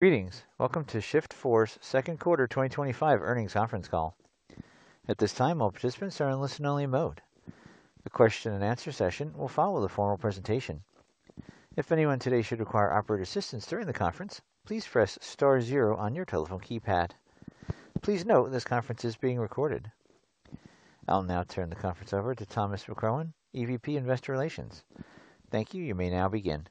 Greetings. Welcome to Shift4's Second Quarter 2025 Earnings Conference Call. At this time, all participants are in listen-only mode. The question and answer session will follow the formal presentation. If anyone today should require operator assistance during the conference, please press star zero on your telephone keypad. Please note this conference is being recorded. I'll now turn the conference over to Thomas McCrohan, EVP Investor Relations. Thank you. You may now begin.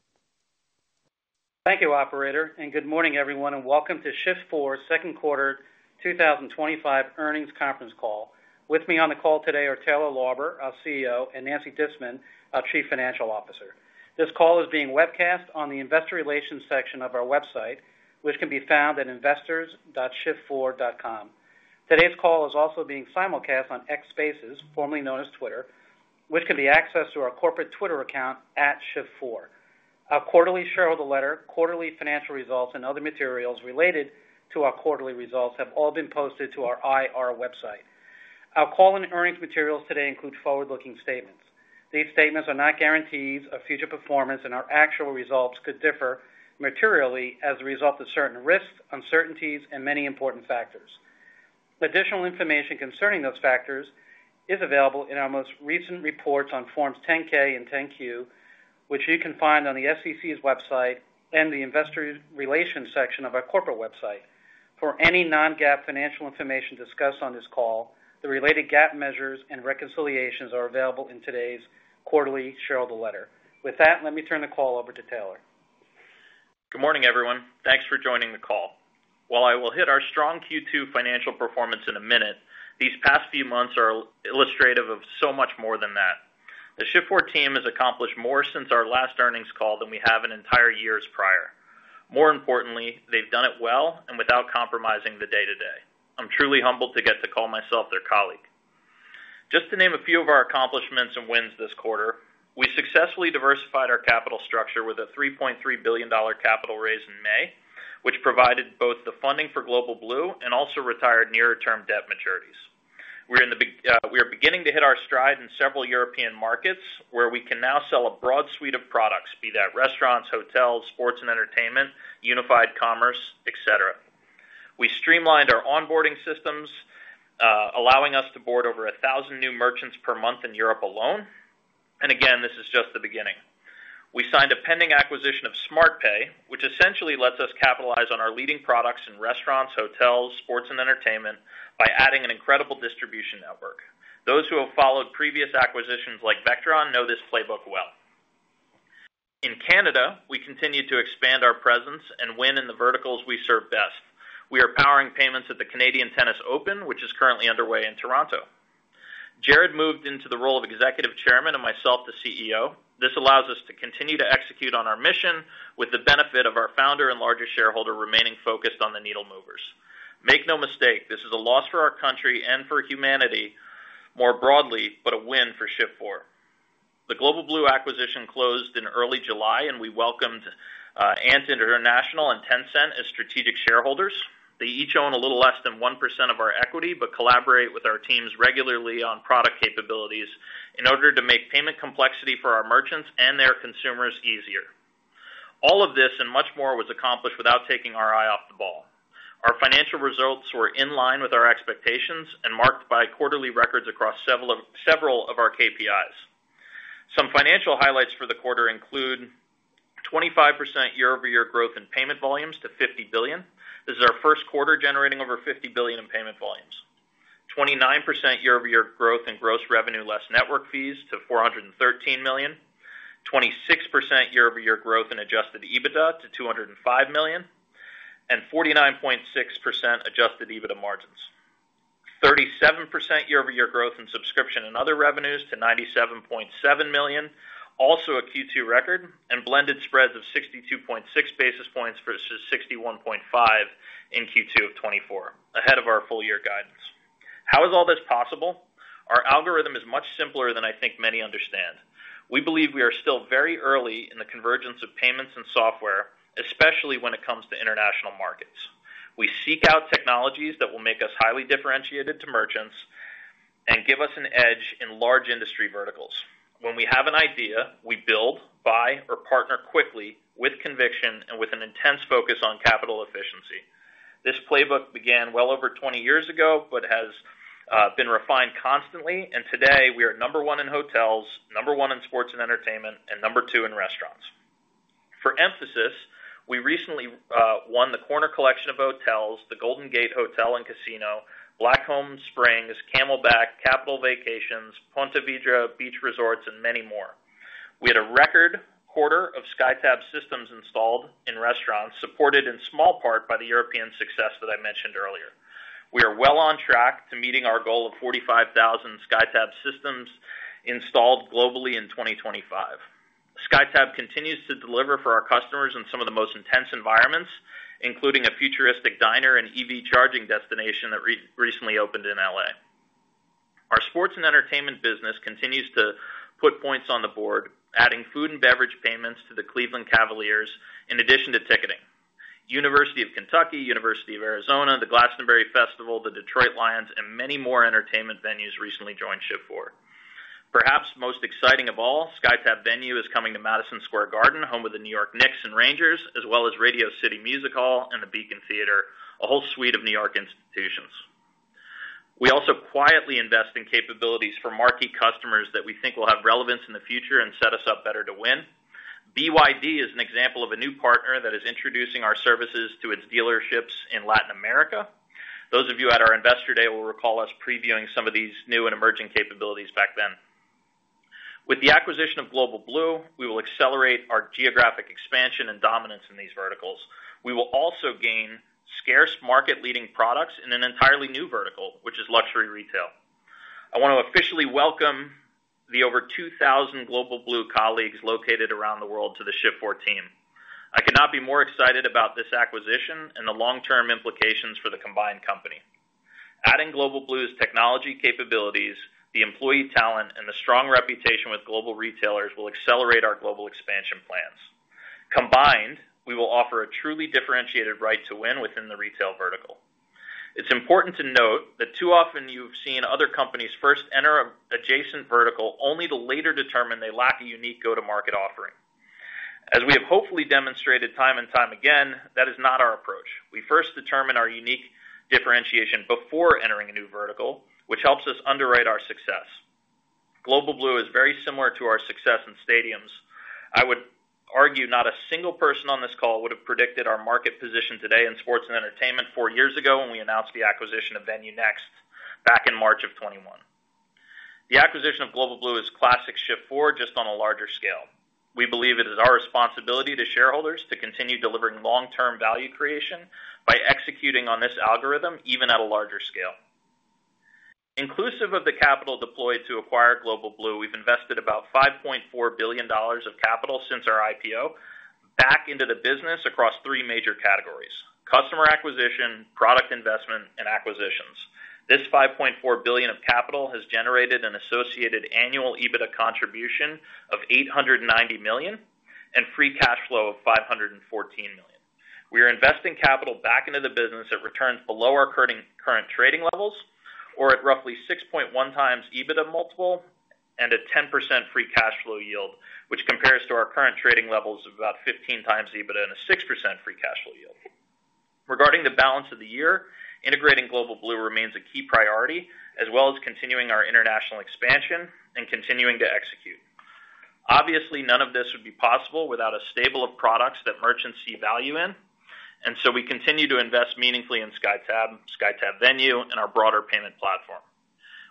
Thank you, operator, and good morning everyone, and welcome to Shift4's second quarter 2025 earnings conference call. With me on the call today are Taylor Lauber, our CEO, and Nancy Disman, our Chief Financial Officer. This call is being webcast on the Investor Relations section of our website, which can be found at investors.shift4.com. Today's call is also being simulcast on X Spaces, formerly known as Twitter, which can be accessed through our corporate Twitter account @Shift4. Our quarterly shareholder letter, quarterly financial results, and other materials related to our quarterly results have all been posted to our IR website. Our call and earnings materials today include forward-looking statements. These statements are not guarantees of future performance, and our actual results could differ materially as a result of certain risks, uncertainties, and many important factors. Additional information concerning those factors is available in our most recent reports on Forms 10-K and 10-Q, which you can find on the SEC's website and the Investor Relations section of our corporate website. For any non-GAAP financial information discussed on this call, the related GAAP measures and reconciliations are available in today's quarterly shareholder letter. With that, let me turn the call over to Taylor. Good morning, everyone. Thanks for joining the call. While I will hit our strong Q2 financial performance in a minute, these past few months are illustrative of so much more than that. The Shift4 team has accomplished more since our last earnings call than we have in entire years prior. More importantly, they've done it well and without compromising the day-to-day. I'm truly humbled to get to call myself their colleague. Just to name a few of our accomplishments and wins this quarter, we successfully diversified our capital structure with a $3.3 billion capital raise in May, which provided both the funding for Global Blue and also retired nearer-term debt maturities. We are beginning to hit our stride in several European markets where we can now sell a broad suite of products, be that restaurants, hotels, sports and entertainment, unified commerce, etc. We streamlined our onboarding systems, allowing us to board over a thousand new merchants per month in Europe alone. This is just the beginning. We signed a pending acquisition of SmartPay, which essentially lets us capitalize on our leading products in restaurants, hotels, sports, and entertainment by adding an incredible distribution network. Those who have followed previous acquisitions like Vectron know this playbook well. In Canada, we continue to expand our presence and win in the verticals we serve best. We are powering payments at the Canadian Tennis Open, which is currently underway in Toronto. Jared moved into the role of Executive Chairman and myself the CEO. This allows us to continue to execute on our mission with the benefit of our founder and largest shareholder remaining focused on the needle movers. Make no mistake, this is a loss for our country and for humanity more broadly, but a win for Shift4. The Global Blue acquisition closed in early July, and we welcomed Ant International and Tencent as strategic shareholders. They each own a little less than 1% of our equity, but collaborate with our teams regularly on product capabilities in order to make payment complexity for our merchants and their consumers easier. All of this and much more was accomplished without taking our eye off the ball. Our financial results were in line with our expectations and marked by quarterly records across several of our KPIs. Some financial highlights for the quarter include 25% year-over-year growth in payment volumes to $50 billion. This is our first quarter generating over $50 billion in payment volumes. 29% year-over-year growth in gross revenue less network fees to $413 million. 26% year-over-year growth in adjusted EBITDA to $205 million, and 49.6% adjusted EBITDA margins. 37% year-over-year growth in subscription and other revenues to $97.7 million, also a Q2 record, and blended spreads of 62.6 basis points versus 61.5 in Q2 of 2024, ahead of our full-year guidance. How is all this possible? Our algorithm is much simpler than I think many understand. We believe we are still very early in the convergence of payments and software, especially when it comes to international markets. We seek out technologies that will make us highly differentiated to merchants and give us an edge in large industry verticals. When we have an idea, we build, buy, or partner quickly with conviction and with an intense focus on capital efficiency. This playbook began well over 20 years ago, but has been refined constantly, and today we are number one in hotels, number one in sports and entertainment, and number two in restaurants. For emphasis, we recently won the Corner Collection of Hotels, the Golden Gate Hotel and Casino, Black Holmes Springs, Camelback, Capital Vacations, Ponte Vedra Beach Resorts, and many more. We had a record quarter of SkyTab systems installed in restaurants, supported in small part by the European success that I mentioned earlier. We are well on track to meeting our goal of 45,000 SkyTab systems installed globally in 2025. SkyTab continues to deliver for our customers in some of the most intense environments, including a futuristic diner and EV charging destination that recently opened in LA. Our sports and entertainment business continues to put points on the board, adding food and beverage payments to the Cleveland Cavaliers in addition to ticketing. University of Kentucky, University of Arizona, the Glastonbury Festival, the Detroit Lions, and many more entertainment venues recently joined Shift4. Perhaps most exciting of all, SkyTab Venue is coming to Madison Square Garden, home of the New York Knicks and Rangers, as well as Radio City Music Hall and the Beacon Theater, a whole suite of New York institutions. We also quietly invest in capabilities for marquee customers that we think will have relevance in the future and set us up better to win. BYD is an example of a new partner that is introducing our services to its dealerships in Latin America. Those of you at our Investor Day will recall us previewing some of these new and emerging capabilities back then. With the acquisition of Global Blue, we will accelerate our geographic expansion and dominance in these verticals. We will also gain scarce market-leading products in an entirely new vertical, which is luxury retail. I want to officially welcome the over 2,000 Global Blue colleagues located around the world to the Shift4 team. I cannot be more excited about this acquisition and the long-term implications for the combined company. Adding Global Blue's technology capabilities, the employee talent, and the strong reputation with global retailers will accelerate our global expansion plans. Combined, we will offer a truly differentiated right to win within the retail vertical. It's important to note that too often you've seen other companies first enter an adjacent vertical only to later determine they lack a unique go-to-market offering. As we have hopefully demonstrated time and time again, that is not our approach. We first determine our unique differentiation before entering a new vertical, which helps us underwrite our success. Global Blue is very similar to our success in stadiums. I would argue not a single person on this call would have predicted our market position today in sports and entertainment four years ago when we announced the acquisition of Venue Next back in March of 2021. The acquisition of Global Blue is classic Shift4, just on a larger scale. We believe it is our responsibility to shareholders to continue delivering long-term value creation by executing on this algorithm even at a larger scale. Inclusive of the capital deployed to acquire Global Blue, we've invested about $5.4 billion of capital since our IPO back into the business across three major categories: customer acquisition, product investment, and acquisitions. This $5.4 billion of capital has generated an associated annual EBITDA contribution of $890 million and free cash flow of $514 million. We are investing capital back into the business at returns below our current trading levels, or at roughly 6.1x EBITDA multiple and a 10% free cash flow yield, which compares to our current trading levels of about 15x EBITDA and a 6% free cash flow yield. Regarding the balance of the year, integrating Global Blue remains a key priority, as well as continuing our international expansion and continuing to execute. Obviously, none of this would be possible without a stable of products that merchants see value in, and we continue to invest meaningfully in SkyTab, SkyTab Venue, and our broader payment platform.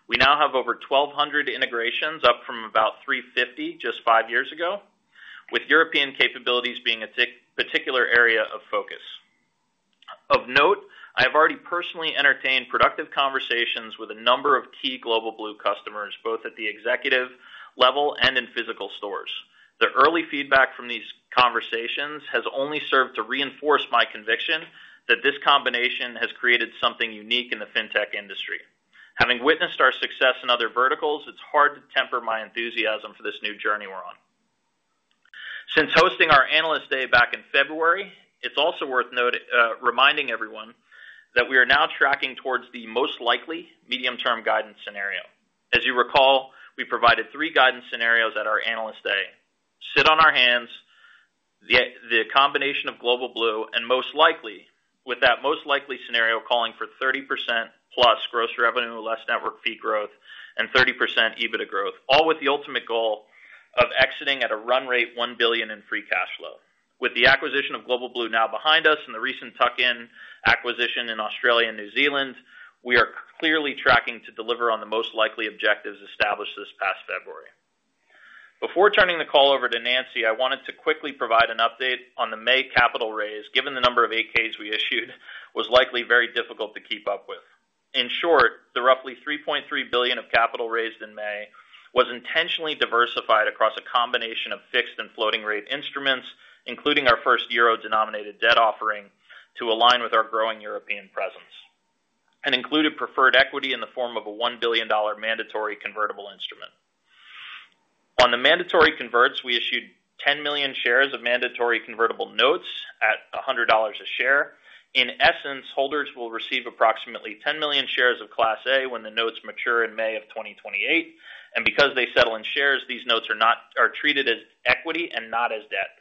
We now have over 1,200 integrations, up from about 350 just five years ago, with European capabilities being a particular area of focus. Of note, I have already personally entertained productive conversations with a number of key Global Blue customers, both at the executive level and in physical stores. The early feedback from these conversations has only served to reinforce my conviction that this combination has created something unique in the fintech industry. Having witnessed our success in other verticals, it's hard to temper my enthusiasm for this new journey we're on. Since hosting our Analyst Day back in February, it's also worth reminding everyone that we are now tracking towards the most likely medium-term guidance scenario. As you recall, we provided three guidance scenarios at our Analyst Day: sit on our hands, the combination of Global Blue, and most likely, with that most likely scenario calling for 30%+ gross revenue less network fee growth and 30% EBITDA growth, all with the ultimate goal of exiting at a run rate $1 billion in free cash flow. With the acquisition of Global Blue now behind us and the recent tuck-in acquisition in Australia and New Zealand, we are clearly tracking to deliver on the most likely objectives established this past February. Before turning the call over to Nancy, I wanted to quickly provide an update on the May capital raise. Given the number of AKs we issued, it was likely very difficult to keep up with. In short, the roughly $3.3 billion of capital raised in May was intentionally diversified across a combination of fixed and floating rate instruments, including our first euro-denominated debt offering to align with our growing European presence, and included preferred equity in the form of a $1 billion mandatory convertible instrument. On the mandatory converts, we issued 10 million shares of mandatory convertible notes at $100 a share. In essence, holders will receive approximately 10 million shares of Class A when the notes mature in May of 2028, and because they settle in shares, these notes are treated as equity and not as debt.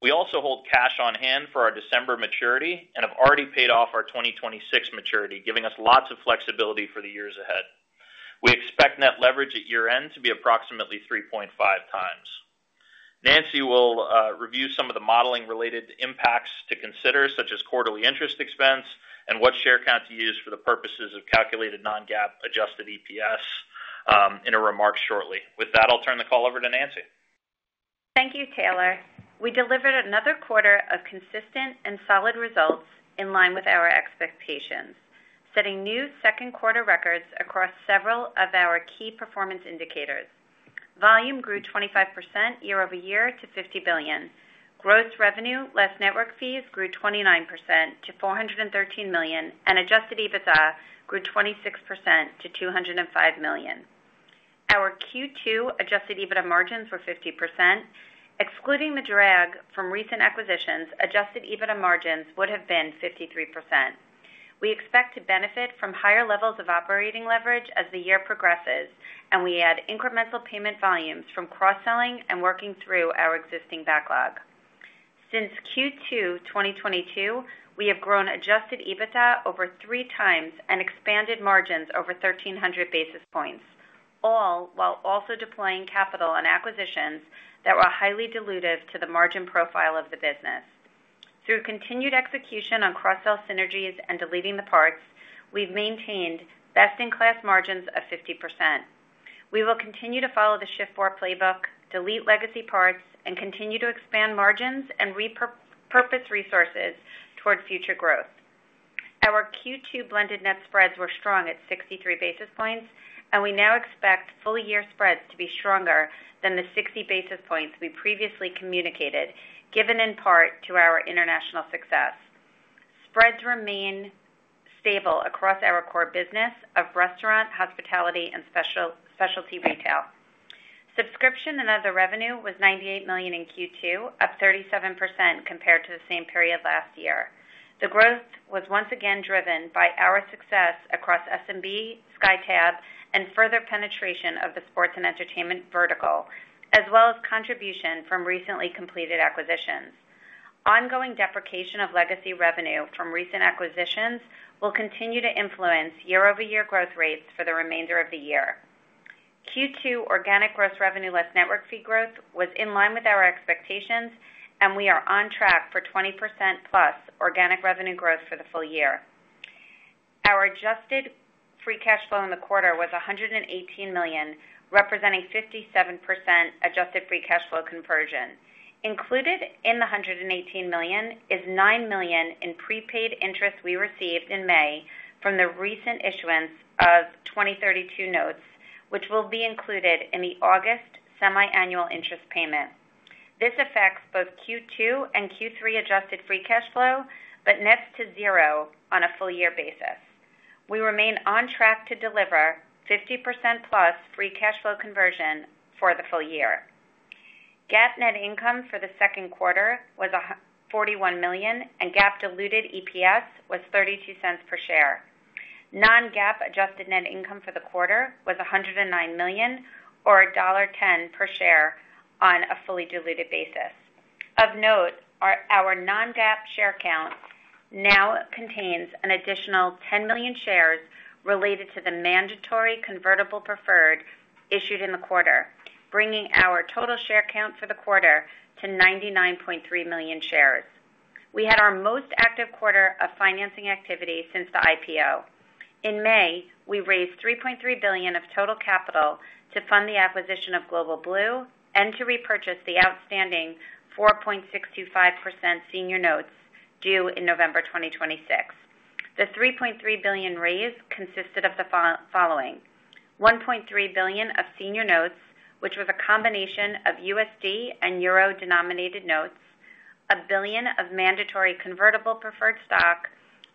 We also hold cash on hand for our December maturity and have already paid off our 2026 maturity, giving us lots of flexibility for the years ahead. We expect net leverage at year-end to be approximately 3.5x. Nancy will review some of the modeling-related impacts to consider, such as quarterly interest expense and what share count to use for the purposes of calculated non-GAAP adjusted EPS in her remarks shortly. With that, I'll turn the call over to Nancy. Thank you, Taylor. We delivered another quarter of consistent and solid results in line with our expectations, setting new second-quarter records across several of our key performance indicators. Volume grew 25% year-over-year to $50 billion. Gross revenue less network fees grew 29% to $413 million, and adjusted EBITDA grew 26% to $205 million. Our Q2 adjusted EBITDA margins were 50%. Excluding the drag from recent acquisitions, adjusted EBITDA margins would have been 53%. We expect to benefit from higher levels of operating leverage as the year progresses, and we add incremental payment volumes from cross-selling and working through our existing backlog. Since Q2 2022, we have grown adjusted EBITDA over 3x and expanded margins over 1,300 basis points, all while also deploying capital on acquisitions that were highly dilutive to the margin profile of the business. Through continued execution on cross-sell synergies and deleting the parts, we've maintained best-in-class margins of 50%. We will continue to follow the Shift4 playbook, delete legacy parts, and continue to expand margins and repurpose resources towards future growth. Our Q2 blended net spreads were strong at 63 basis points, and we now expect full-year spreads to be stronger than the 60 basis points we previously communicated, given in part to our international success. Spreads remain stable across our core business of restaurant, hospitality, and specialty retail. Subscription and other revenue was $98 million in Q2, up 37% compared to the same period last year. The growth was once again driven by our success across SMB, SkyTab, and further penetration of the sports and entertainment vertical, as well as contribution from recently completed acquisitions. Ongoing deprecation of legacy revenue from recent acquisitions will continue to influence year-over-year growth rates for the remainder of the year. Q2 organic gross revenue less network fee growth was in line with our expectations, and we are on track for 20% plus organic revenue growth for the full year. Our adjusted free cash flow in the quarter was $118 million, representing 57% adjusted free cash flow conversion. Included in the $118 million is $9 million in prepaid interest we received in May from the recent issuance of 2032 notes, which will be included in the August semiannual interest payment. This affects both Q2 and Q3 adjusted free cash flow, but nets to zero on a full-year basis. We remain on track to deliver 50%+ free cash flow conversion for the full year. GAAP net income for the second quarter was $41 million, and GAAP diluted EPS was $0.32 per share. Non-GAAP adjusted net income for the quarter was $109 million, or $1.10 per share on a fully diluted basis. Of note, our non-GAAP share count now contains an additional 10 million shares related to the mandatory convertible preferred issued in the quarter, bringing our total share count for the quarter to 99.3 million shares. We had our most active quarter of financing activity since the IPO. In May, we raised $3.3 billion of total capital to fund the acquisition of Global Blue and to repurchase the outstanding 4.625% senior notes due in November 2026. The $3.3 billion raise consisted of the following: $1.3 billion of senior notes, which was a combination of USD and euro-denominated notes, $1 billion of mandatory convertible preferred stock,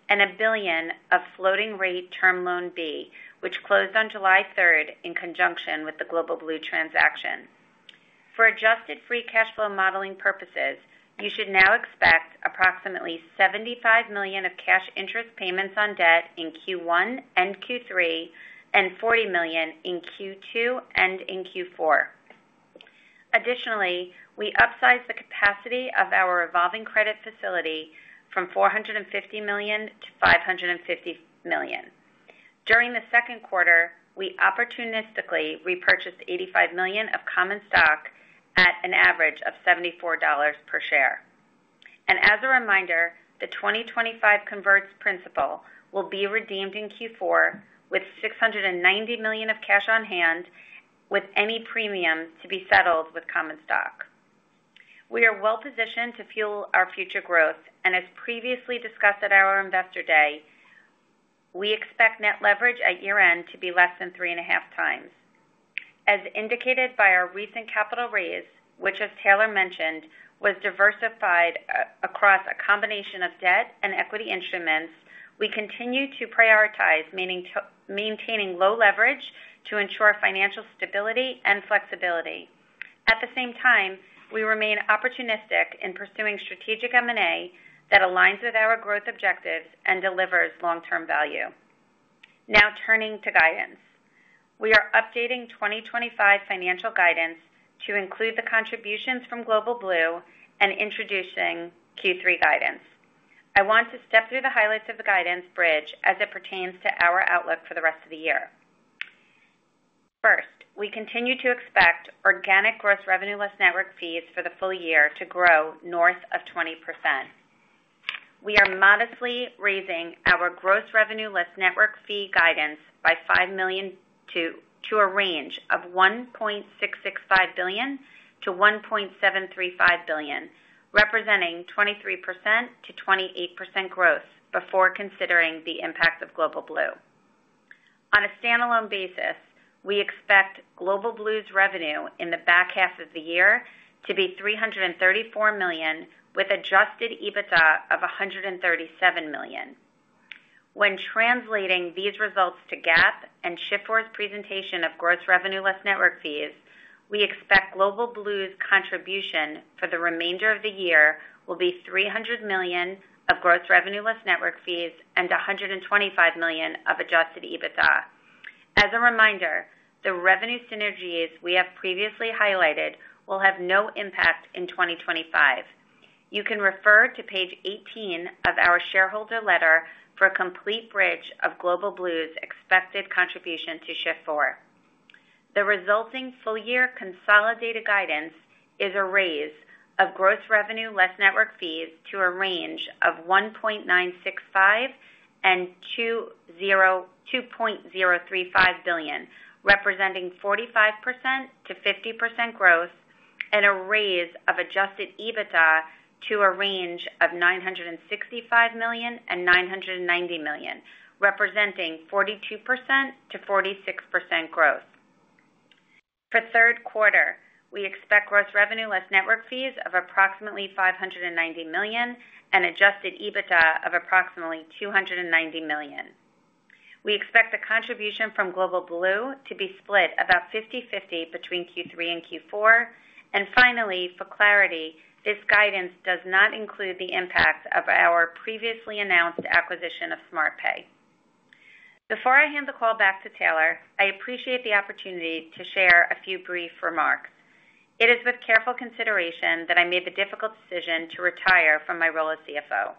and $1 billion of floating rate term loan B, which closed on July 3rd in conjunction with the Global Blue transaction. For adjusted free cash flow modeling purposes, you should now expect approximately $75 million of cash interest payments on debt in Q1 and Q3, and $40 million in Q2 and in Q4. Additionally, we upsized the capacity of our revolving credit facility from $450 million to $550 million. During the second quarter, we opportunistically repurchased $85 million of common stock at an average of $74 per share. As a reminder, the 2025 converts principal will be redeemed in Q4 with $690 million of cash on hand, with any premium to be settled with common stock. We are well positioned to fuel our future growth, and as previously discussed at our Investor Day, we expect net leverage at year-end to be less than 3.5x. As indicated by our recent capital raise, which as Taylor mentioned, was diversified across a combination of debt and equity instruments, we continue to prioritize maintaining low leverage to ensure financial stability and flexibility. At the same time, we remain opportunistic in pursuing strategic M&A that aligns with our growth objectives and delivers long-term value. Now turning to guidance, we are updating 2025 financial guidance to include the contributions from Global Blue and introducing Q3 guidance. I want to step through the highlights of the guidance bridge as it pertains to our outlook for the rest of the year. First, we continue to expect organic gross revenue less network fees for the full year to grow north of 20%. We are modestly raising our gross revenue less network fee guidance by $5 million to a range of $1.665 billion-$1.735 billion, representing 23%-28% growth before considering the impact of Global Blue. On a standalone basis, we expect Global Blue's revenue in the back half of the year to be $334 million with adjusted EBITDA of $137 million. When translating these results to GAAP and Shift4's presentation of gross revenue less network fees, we expect Global Blue's contribution for the remainder of the year will be $300 million of gross revenue less network fees and $125 million of adjusted EBITDA. As a reminder, the revenue synergies we have previously highlighted will have no impact in 2025. You can refer to page 18 of our shareholder letter for a complete bridge of Global Blue's expected contribution to Shift4. The resulting full-year consolidated guidance is a raise of gross revenue less network fees to a range of $1.965 billion-$2.035 billion, representing 45%-50% growth, and a raise of adjusted EBITDA to a range of $965 million-$990 million, representing 42%-46% growth. For the third quarter, we expect gross revenue less network fees of approximately $590 million and adjusted EBITDA of approximately $290 million. We expect the contribution from Global Blue to be split about 50/50 between Q3 and Q4. For clarity, this guidance does not include the impact of our previously announced acquisition of SmartPay. Before I hand the call back to Taylor, I appreciate the opportunity to share a few brief remarks. It is with careful consideration that I made the difficult decision to retire from my role as CFO.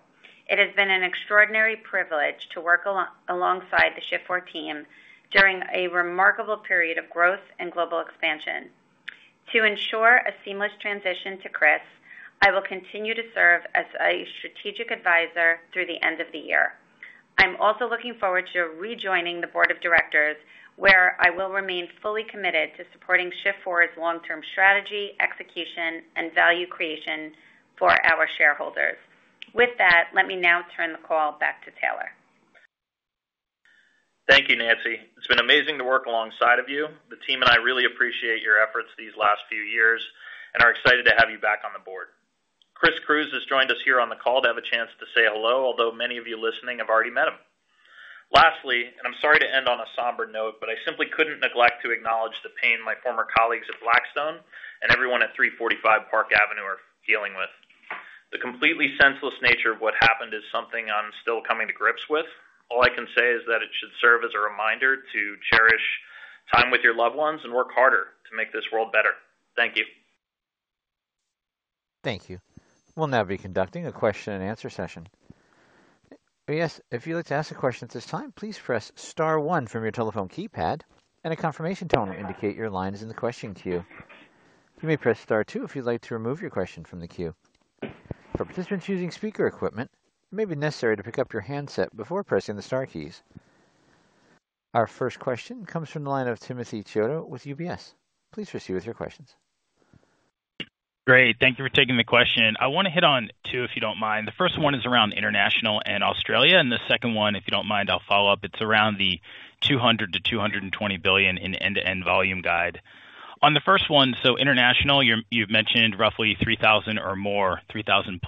It has been an extraordinary privilege to work alongside the Shift4 team during a remarkable period of growth and global expansion. To ensure a seamless transition to Chris, I will continue to serve as a Strategic Advisor through the end of the year. I'm also looking forward to rejoining the Board of Directors, where I will remain fully committed to supporting Shift4's long-term strategy, execution, and value creation for our shareholders. With that, let me now turn the call back to Taylor. Thank you, Nancy. It's been amazing to work alongside you. The team and I really appreciate your efforts these last few years and are excited to have you back on the board. Chris Cruz has joined us here on the call to have a chance to say hello, although many of you listening have already met him. Lastly, I'm sorry to end on a somber note, but I simply couldn't neglect to acknowledge the pain my former colleagues at Blackstone and everyone at 345 Park Avenue are dealing with. The completely senseless nature of what happened is something I'm still coming to grips with. All I can say is that it should serve as a reminder to cherish time with your loved ones and work harder to make this world better. Thank you. Thank you. We'll now be conducting a question and answer session. If you'd like to ask a question at this time, please press star one from your telephone keypad and a confirmation tone will indicate your line is in the question queue. You may press star two if you'd like to remove your question from the queue. For participants using speaker equipment, it may be necessary to pick up your handset before pressing the star keys. Our first question comes from the line of Timothy Chiodo with UBS. Please proceed with your questions. Great. Thank you for taking the question. I want to hit on two, if you don't mind. The first one is around international and Australia, and the second one, if you don't mind, I'll follow up. It's around the $200 billion-$220 billion in end-to-end volume guide. On the first one, so international, you've mentioned roughly 3,000 or more, 3,000+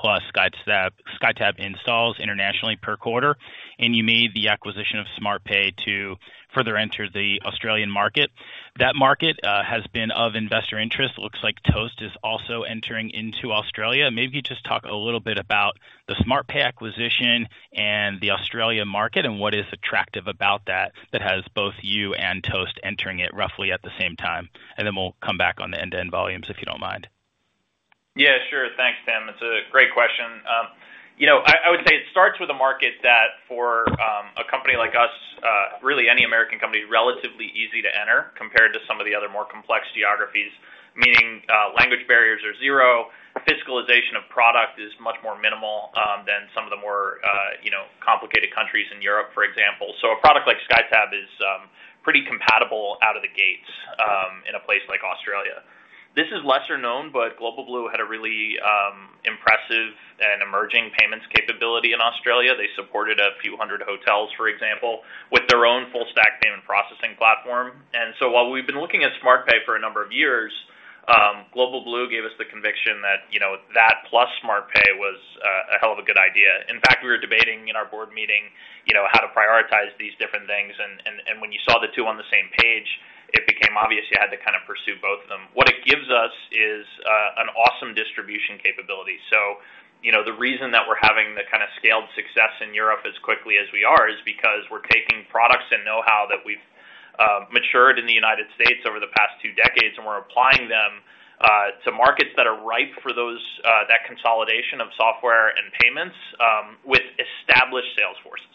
SkyTab installs internationally per quarter, and you made the acquisition of SmartPay to further enter the Australian market. That market has been of investor interest. It looks like Toast is also entering into Australia. Maybe you could just talk a little bit about the SmartPay acquisition and the Australian market and what is attractive about that that has both you and Toast entering it roughly at the same time. We'll come back on the end-to-end volumes, if you don't mind. Yeah, sure. Thanks, Tim. It's a great question. I would say it starts with a market that for a company like us, really any American company, is relatively easy to enter compared to some of the other more complex geographies, meaning language barriers are zero, fiscalization of product is much more minimal than some of the more complicated countries in Europe, for example. A product like SkyTab is pretty compatible out of the gates in a place like Australia. This is lesser known, but Global Blue had a really impressive and emerging payments capability in Australia. They supported a few hundred hotels, for example, with their own full-stack payment processing platform. While we've been looking at SmartPay for a number of years, Global Blue gave us the conviction that that plus SmartPay was a hell of a good idea. In fact, we were debating in our board meeting how to prioritize these different things, and when you saw the two on the same page, it became obvious you had to kind of pursue both of them. What it gives us is an awesome distribution capability. The reason that we're having the kind of scaled success in Europe as quickly as we are is because we're taking products and know-how that we've matured in the United States over the past two decades, and we're applying them to markets that are ripe for that consolidation of software and payments with established sales forces.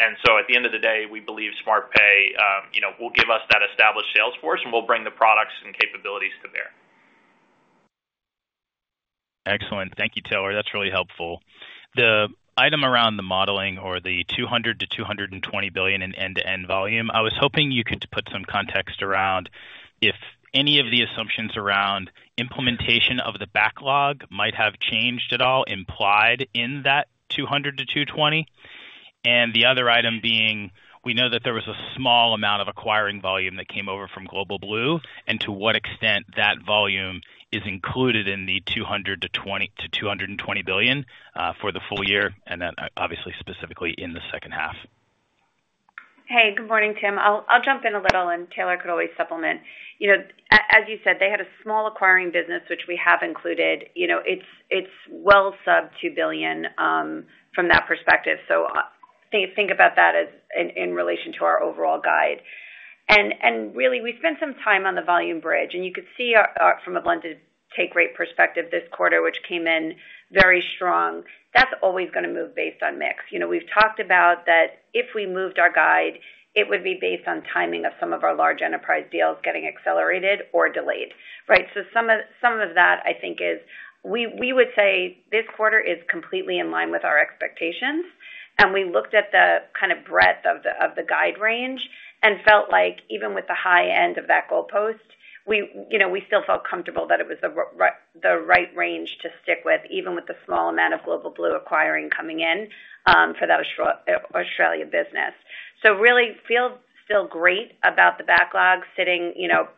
At the end of the day, we believe SmartPay will give us that established sales force, and we'll bring the products and capabilities to bear. Excellent. Thank you, Taylor. That's really helpful. The item around the modeling or the $200 billion-$220 billion in end-to-end volume, I was hoping you could put some context around if any of the assumptions around implementation of the backlog might have changed at all implied in that $200 billion-$220 billion. The other item being, we know that there was a small amount of acquiring volume that came over from Global Blue, and to what extent that volume is included in the $200 billion-$220 billion for the full year, and then obviously specifically in the second half. Hey, good morning, Tim. I'll jump in a little, and Taylor could always supplement. You know, as you said, they had a small acquiring business, which we have included. It's well sub $2 billion from that perspective. Please think about that in relation to our overall guide. We spent some time on the volume bridge, and you could see from a blended take-rate perspective this quarter, which came in very strong. That's always going to move based on mix. We've talked about that if we moved our guide, it would be based on timing of some of our large enterprise deals getting accelerated or delayed. Right. Some of that, I think, is we would say this quarter is completely in line with our expectations, and we looked at the kind of breadth of the guide range and felt like even with the high end of that goalpost, we still felt comfortable that it was the right range to stick with, even with the small amount of Global Blue acquiring coming in for that Australia business. Really, feel still great about the backlog sitting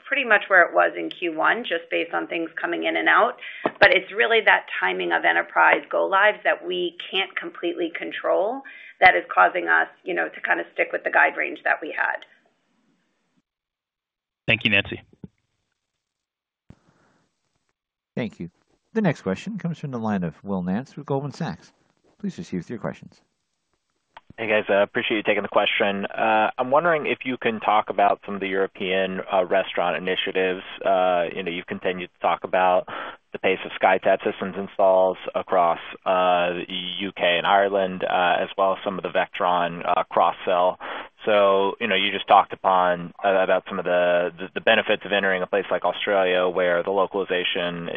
pretty much where it was in Q1, just based on things coming in and out. It's really that timing of enterprise go-lives that we can't completely control that is causing us to kind of stick with the guide range that we had. Thank you, Nancy. Thank you. The next question comes from the line of Will Nance with Goldman Sachs. Please proceed with your questions. Hey, guys. I appreciate you taking the question. I'm wondering if you can talk about some of the European restaurant initiatives. You've continued to talk about the pace of SkyTab systems installs across the U.K. and Ireland, as well as some of the Vectron cross-sell. You just talked about some of the benefits of entering a place like Australia, where the localization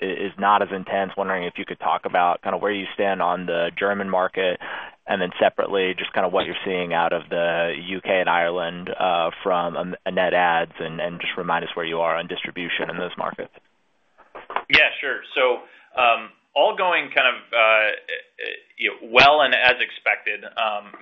is not as intense. Wondering if you could talk about kind of where you stand on the German market, and then separately just kind of what you're seeing out of the U.K. and Ireland from a net ads, and just remind us where you are on distribution in those markets. Yeah, sure. All going kind of well and as expected.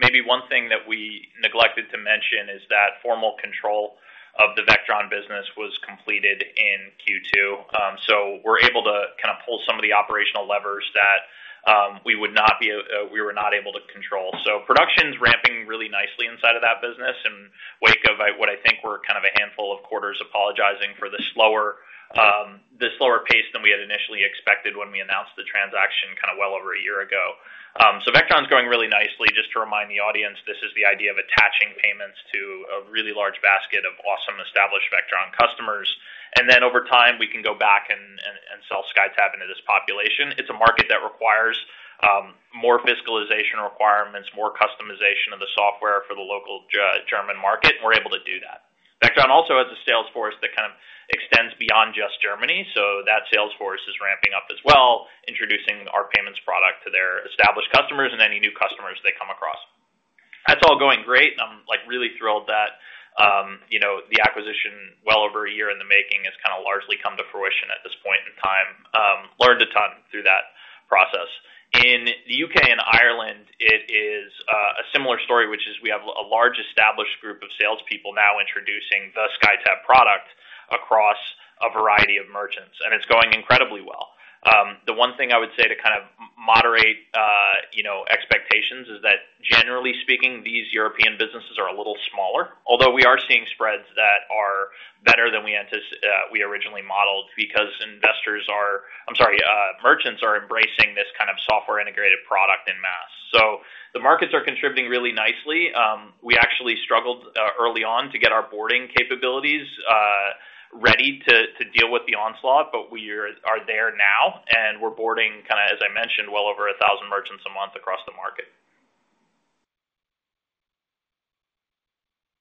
Maybe one thing that we neglected to mention is that formal control of the Vectron business was completed in Q2. We're able to kind of pull some of the operational levers that we were not able to control. Production's ramping really nicely inside of that business, and with what I think were kind of a handful of quarters apologizing for the slower pace than we had initially expected when we announced the transaction well over a year ago. Vectron's going really nicely. Just to remind the audience, this is the idea of attaching payments to a really large basket of awesome established Vectron customers. Over time, we can go back and sell SkyTab into this population. It's a market that requires more fiscalization requirements, more customization of the software for the local German market, and we're able to do that. Vectron also has a sales force that kind of extends beyond just Germany. That sales force is ramping up as well, introducing our payments product to their established customers and any new customers they come across. That's all going great, and I'm really thrilled that the acquisition, well over a year in the making, has kind of largely come to fruition at this point in time. Learned a ton through that process. In the U.K. and Ireland, it is a similar story, which is we have a large established group of salespeople now introducing the SkyTab product across a variety of merchants, and it's going incredibly well. The one thing I would say to kind of moderate expectations is that, generally speaking, these European businesses are a little smaller, although we are seeing spreads that are better than we originally modeled because merchants are embracing this kind of software-integrated product en masse. The markets are contributing really nicely. We actually struggled early on to get our boarding capabilities ready to deal with the onslaught, but we are there now, and we're boarding, as I mentioned, well over 1,000 merchants a month across the market.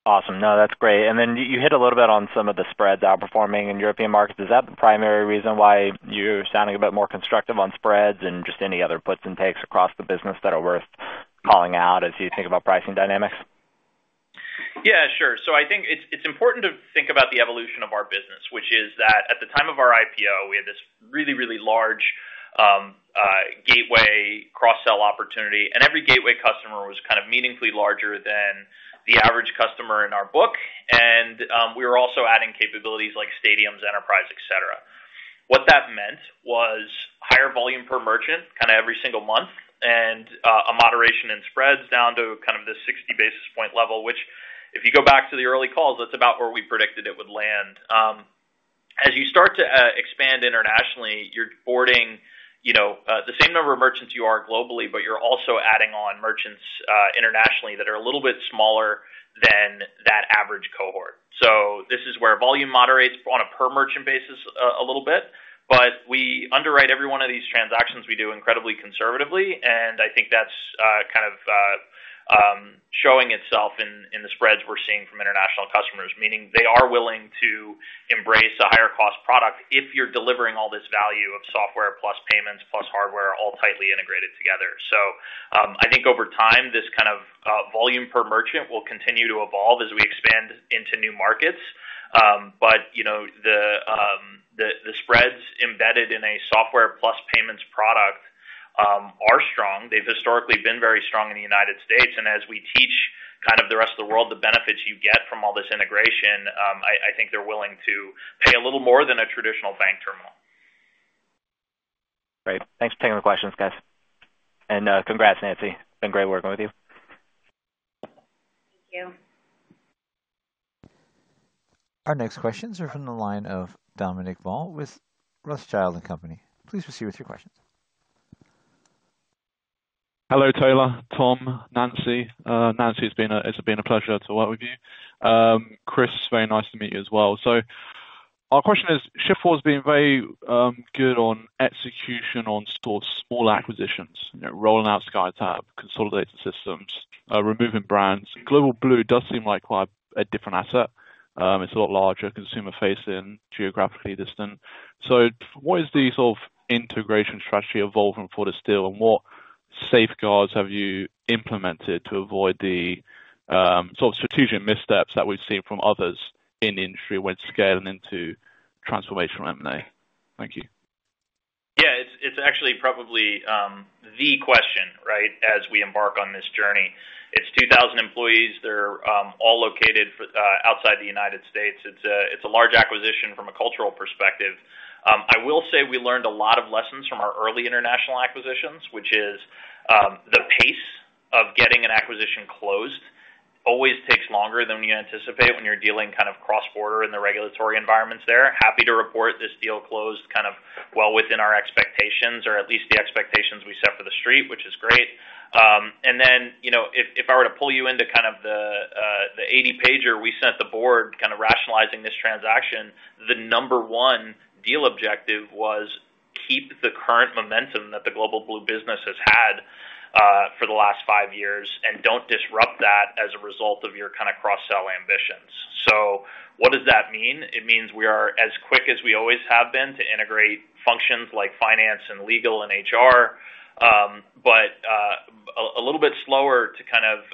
Awesome. No, that's great. You hit a little bit on some of the spreads outperforming in European markets. Is that the primary reason why you're sounding a bit more constructive on spreads, and just any other puts and takes across the business that are worth calling out as you think about pricing dynamics? Yeah, sure. I think it's important to think about the evolution of our business, which is that at the time of our IPO, we had this really, really large gateway cross-sell opportunity, and every gateway customer was kind of meaningfully larger than the average customer in our book. We were also adding capabilities like stadiums, enterprise, etc. What that meant was higher volume per merchant kind of every single month and a moderation in spreads down to kind of the 60 basis point level, which if you go back to the early calls, that's about where we predicted it would land. As you start to expand internationally, you're boarding the same number of merchants you are globally, but you're also adding on merchants internationally that are a little bit smaller than that average cohort. This is where volume moderates on a per merchant basis a little bit, but we underwrite every one of these transactions we do incredibly conservatively, and I think that's kind of showing itself in the spreads we're seeing from international customers, meaning they are willing to embrace a higher-cost product if you're delivering all this value of software plus payments plus hardware, all tightly integrated together. I think over time, this kind of volume per merchant will continue to evolve as we expand into new markets. The spreads embedded in a software plus payments product are strong. They've historically been very strong in the United States, and as we teach kind of the rest of the world the benefits you get from all this integration, I think they're willing to pay a little more than a traditional bank terminal. Great. Thanks for taking the questions, guys. Congrats, Nancy. It's been great working with you. Thank you. Our next questions are from the line of Dominic Ball with Rothschild & Co. Please proceed with your question. Hello, Taylor, Tom, Nancy. Nancy, it's been a pleasure to work with you. Chris, very nice to meet you as well. Our question is, Shift4's been very good on execution on small acquisitions, rolling out SkyTab, consolidating systems, removing brands. Global Blue does seem like quite a different asset. It's a lot larger, consumer-facing, geographically distant. What is the sort of integration strategy evolving for this deal, and what safeguards have you implemented to avoid the sort of strategic missteps that we've seen from others in the industry when scaling into transformational M&A? Thank you. Yeah, it's actually probably the question, right, as we embark on this journey. It's 2,000 employees. They're all located outside the United States It's a large acquisition from a cultural perspective. I will say we learned a lot of lessons from our early international acquisitions, which is the pace of getting an acquisition closed always takes longer than you anticipate when you're dealing kind of cross-border in the regulatory environments there. Happy to report this deal closed kind of well within our expectations, or at least the expectations we set for the street, which is great. If I were to pull you into kind of the 80-pager we sent the board kind of rationalizing this transaction, the number one deal objective was keep the current momentum that the Global Blue business has had for the last five years and don't disrupt that as a result of your kind of cross-sell ambitions. What does that mean? It means we are as quick as we always have been to integrate functions like finance and legal and HR, but a little bit slower to kind of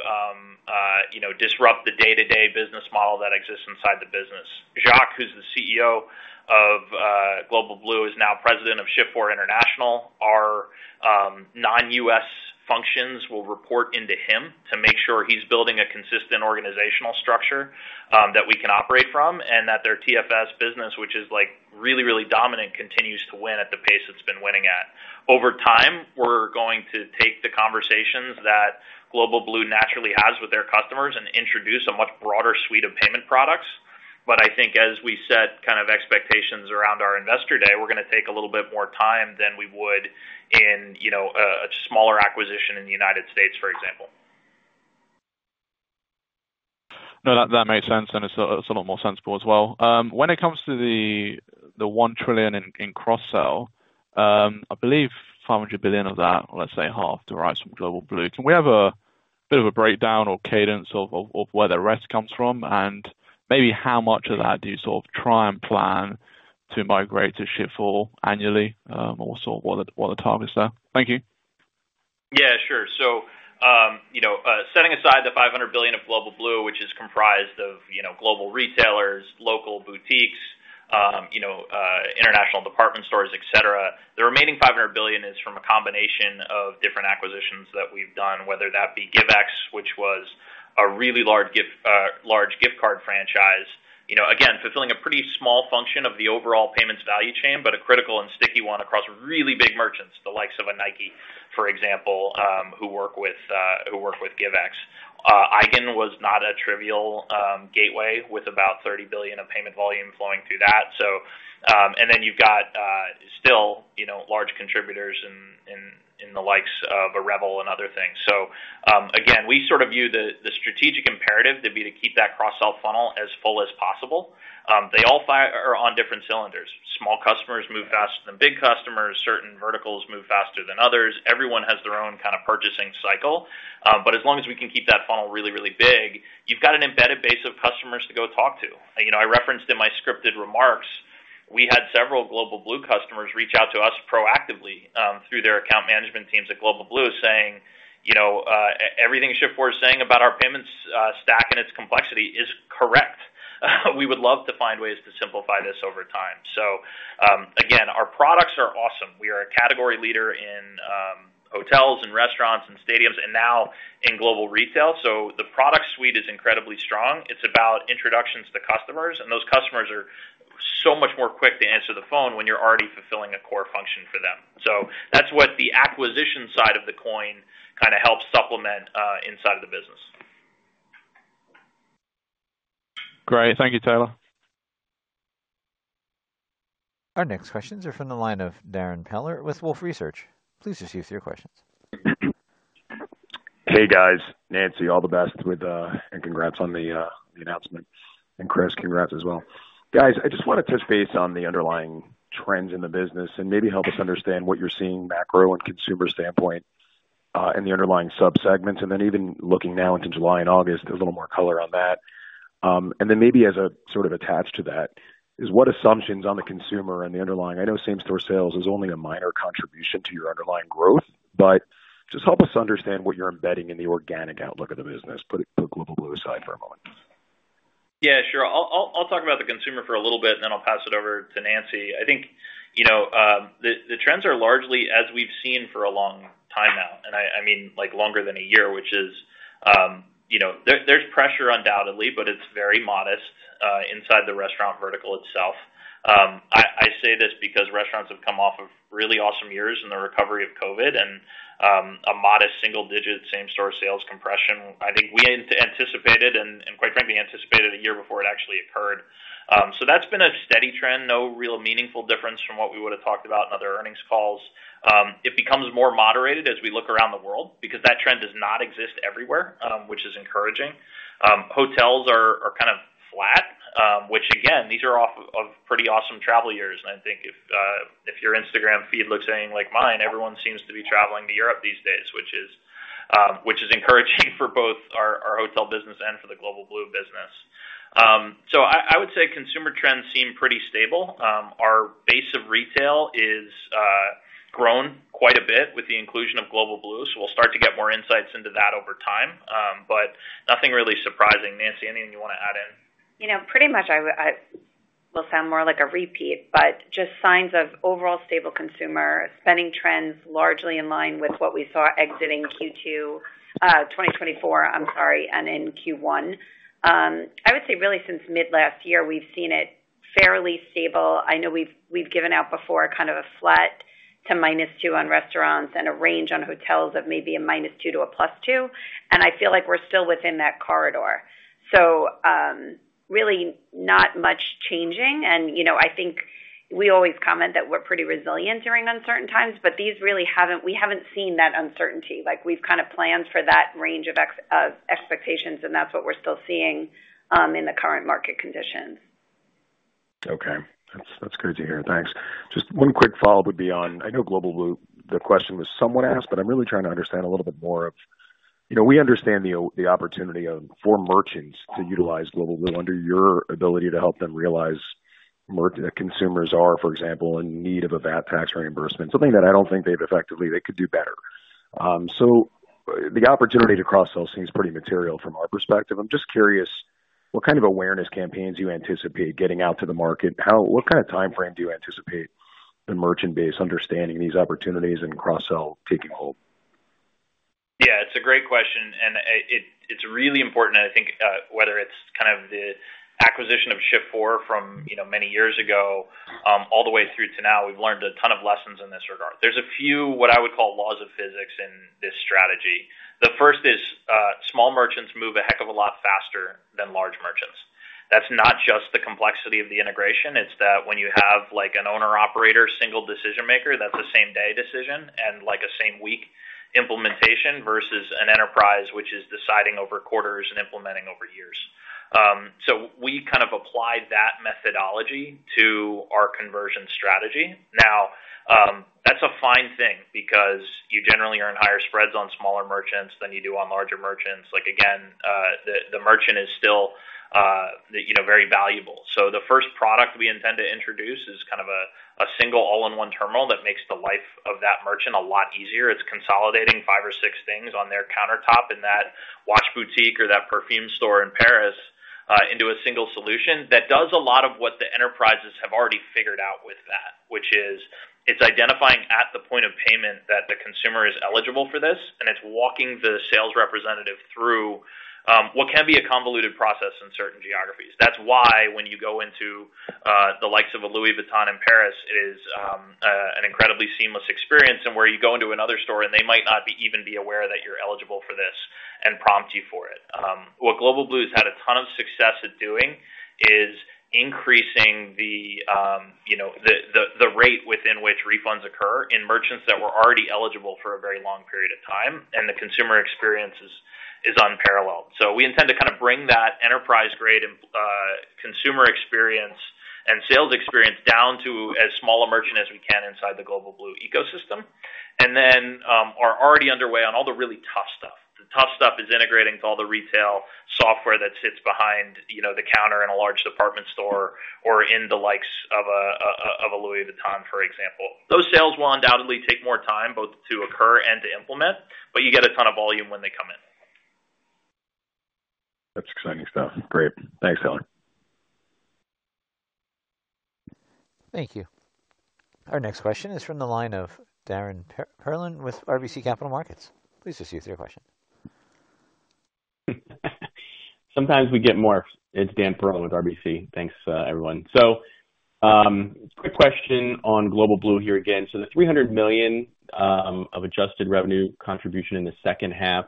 disrupt the day-to-day business model that exists inside the business. Jacques, who's the CEO of Global Blue, is now President of Shift4 International. Our non-U.S. functions will report into him to make sure he's building a consistent organizational structure that we can operate from and that their TFS business, which is like really, really dominant, continues to win at the pace it's been winning at. Over time, we're going to take the conversations that Global Blue naturally has with their customers and introduce a much broader suite of payment products. I think as we set kind of expectations around our Investor Day, we're going to take a little bit more time than we would in a smaller acquisition in the United States, for example. No, that makes sense, and it's a lot more sensible as well. When it comes to the $1 trillion in cross-sell, I believe $500 billion of that, let's say half, derives from Global Blue. Can we have a bit of a breakdown or cadence of where the rest comes from, and maybe how much of that do you sort of try and plan to migrate to Shift4 annually, or sort of what the target's there? Thank you. Yeah, sure. Setting aside the $500 billion of Global Blue, which is comprised of global retailers, local boutiques, international department stores, etc., the remaining $500 billion is from a combination of different acquisitions that we've done, whether that be GiveX, which was a really large gift card franchise. Again, fulfilling a pretty small function of the overall payments value chain, but a critical and sticky one across really big merchants, the likes of a Nike, for example, who work with GiveX. Eigen was not a trivial gateway with about $30 billion of payment volume flowing through that. Then you've got still large contributors in the likes of a Revel and other things. We sort of view the strategic imperative to be to keep that cross-sell funnel as full as possible. They all are on different cylinders. Small customers move faster than big customers. Certain verticals move faster than others. Everyone has their own kind of purchasing cycle. As long as we can keep that funnel really, really big, you've got an embedded base of customers to go talk to. I referenced in my scripted remarks, we had several Global Blue customers reach out to us proactively through their account management teams at Global Blue saying, "Everything Shift4 is saying about our payments stack and its complexity is correct. We would love to find ways to simplify this over time." Our products are awesome. We are a category leader in hotels and restaurants and stadiums and now in global retail. The product suite is incredibly strong. It's about introductions to customers, and those customers are so much more quick to answer the phone when you're already fulfilling a core function for them. That's what the acquisition side of the coin kind of helps supplement inside of the business. Great. Thank you, Taylor. Our next questions are from the line of Darrin Peller with Wolfe Research. Please proceed with your questions. Hey, guys. Nancy, all the best with, and congrats on the announcement. Chris, congrats as well. I just want to touch base on the underlying trends in the business and maybe help us understand what you're seeing macro and consumer standpoint in the underlying subsegments. Even looking now into July and August, there's a little more color on that. Maybe as a sort of attached to that is what assumptions on the consumer and the underlying, I know same-store sales is only a minor contribution to your underlying growth, but just help us understand what you're embedding in the organic outlook of the business. Put Global Blue aside for a moment. Yeah, sure. I'll talk about the consumer for a little bit, and then I'll pass it over to Nancy. I think the trends are largely as we've seen for a long time now, and I mean like longer than a year, which is there's pressure undoubtedly, but it's very modest inside the restaurant vertical itself. I say this because restaurants have come off of really awesome years in the recovery of COVID, and a modest single-digit same-store sales compression I think we anticipated and quite frankly anticipated a year before it actually occurred. That's been a steady trend, no real meaningful difference from what we would have talked about in other earnings calls. It becomes more moderated as we look around the world because that trend does not exist everywhere, which is encouraging. Hotels are kind of flat, which again, these are off of pretty awesome travel years. I think if your Instagram feed looks anything like mine, everyone seems to be traveling to Europe these days, which is encouraging for both our hotel business and for the Global Blue business. I would say consumer trends seem pretty stable. Our base of retail has grown quite a bit with the inclusion of Global Blue, so we'll start to get more insights into that over time, but nothing really surprising. Nancy, anything you want to add in? You know, pretty much I will sound more like a repeat, but just signs of overall stable consumer spending trends largely in line with what we saw exiting Q2 2024, I'm sorry, and in Q1. I would say really since mid-last year, we've seen it fairly stable. I know we've given out before kind of a flat to -2% on restaurants and a range on hotels of maybe a -2% to a +2%, and I feel like we're still within that corridor. Really not much changing, and you know I think we always comment that we're pretty resilient during uncertain times, but these really haven't, we haven't seen that uncertainty. Like we've kind of planned for that range of expectations, and that's what we're still seeing in the current market conditions. Okay. That's great to hear. Thanks. Just one quick follow-up would be on, I know Global Blue, the question was someone asked, but I'm really trying to understand a little bit more of, you know, we understand the opportunity for merchants to utilize Global Blue under your ability to help them realize consumers are, for example, in need of a VAT tax reimbursement, something that I don't think they've effectively, they could do better. The opportunity to cross-sell seems pretty material from our perspective. I'm just curious, what kind of awareness campaigns do you anticipate getting out to the market? What kind of timeframe do you anticipate the merchant base understanding these opportunities and cross-sell taking hold? Yeah, it's a great question, and it's really important. I think whether it's kind of the acquisition of Shift4 from many years ago all the way through to now, we've learned a ton of lessons in this regard. There are a few, what I would call, laws of physics in this strategy. The first is small merchants move a heck of a lot faster than large merchants. That's not just the complexity of the integration. It's that when you have an owner-operator single decision maker, that's a same-day decision and a same-week implementation versus an enterprise which is deciding over quarters and implementing over years. We kind of applied that methodology to our conversion strategy. That's a fine thing because you generally earn higher spreads on smaller merchants than you do on larger merchants. Again, the merchant is still very valuable. The first product we intend to introduce is kind of a single all-in-one terminal that makes the life of that merchant a lot easier. It's consolidating five or six things on their countertop in that watch boutique or that perfume store in Paris into a single solution that does a lot of what the enterprises have already figured out with that, which is it's identifying at the point of payment that the consumer is eligible for this, and it's walking the sales representative through what can be a convoluted process in certain geographies. That's why when you go into the likes of a Louis Vuitton in Paris, it is an incredibly seamless experience, and when you go into another store, they might not even be aware that you're eligible for this and prompt you for it. What Global Blue has had a ton of success at doing is increasing the rate within which refunds occur in merchants that were already eligible for a very long period of time, and the consumer experience is unparalleled. We intend to bring that enterprise-grade consumer experience and sales experience down to as small a merchant as we can inside the Global Blue ecosystem, and we are already underway on all the really tough stuff. The tough stuff is integrating to all the retail software that sits behind the counter in a large department store or in the likes of a Louis Vuitton, for example. Those sales will undoubtedly take more time both to occur and to implement, but you get a ton of volume when they come in. That's exciting stuff. Great, thanks, Taylor. Thank you. Our next question is from the line of Dan Perlin with RBC Capital Markets. Please proceed with your question. Sometimes we get more. It's Dan Perlin with RBC. Thanks everyone. Quick question on Global Blue here again. The $300 million of adjusted revenue contribution in the second half,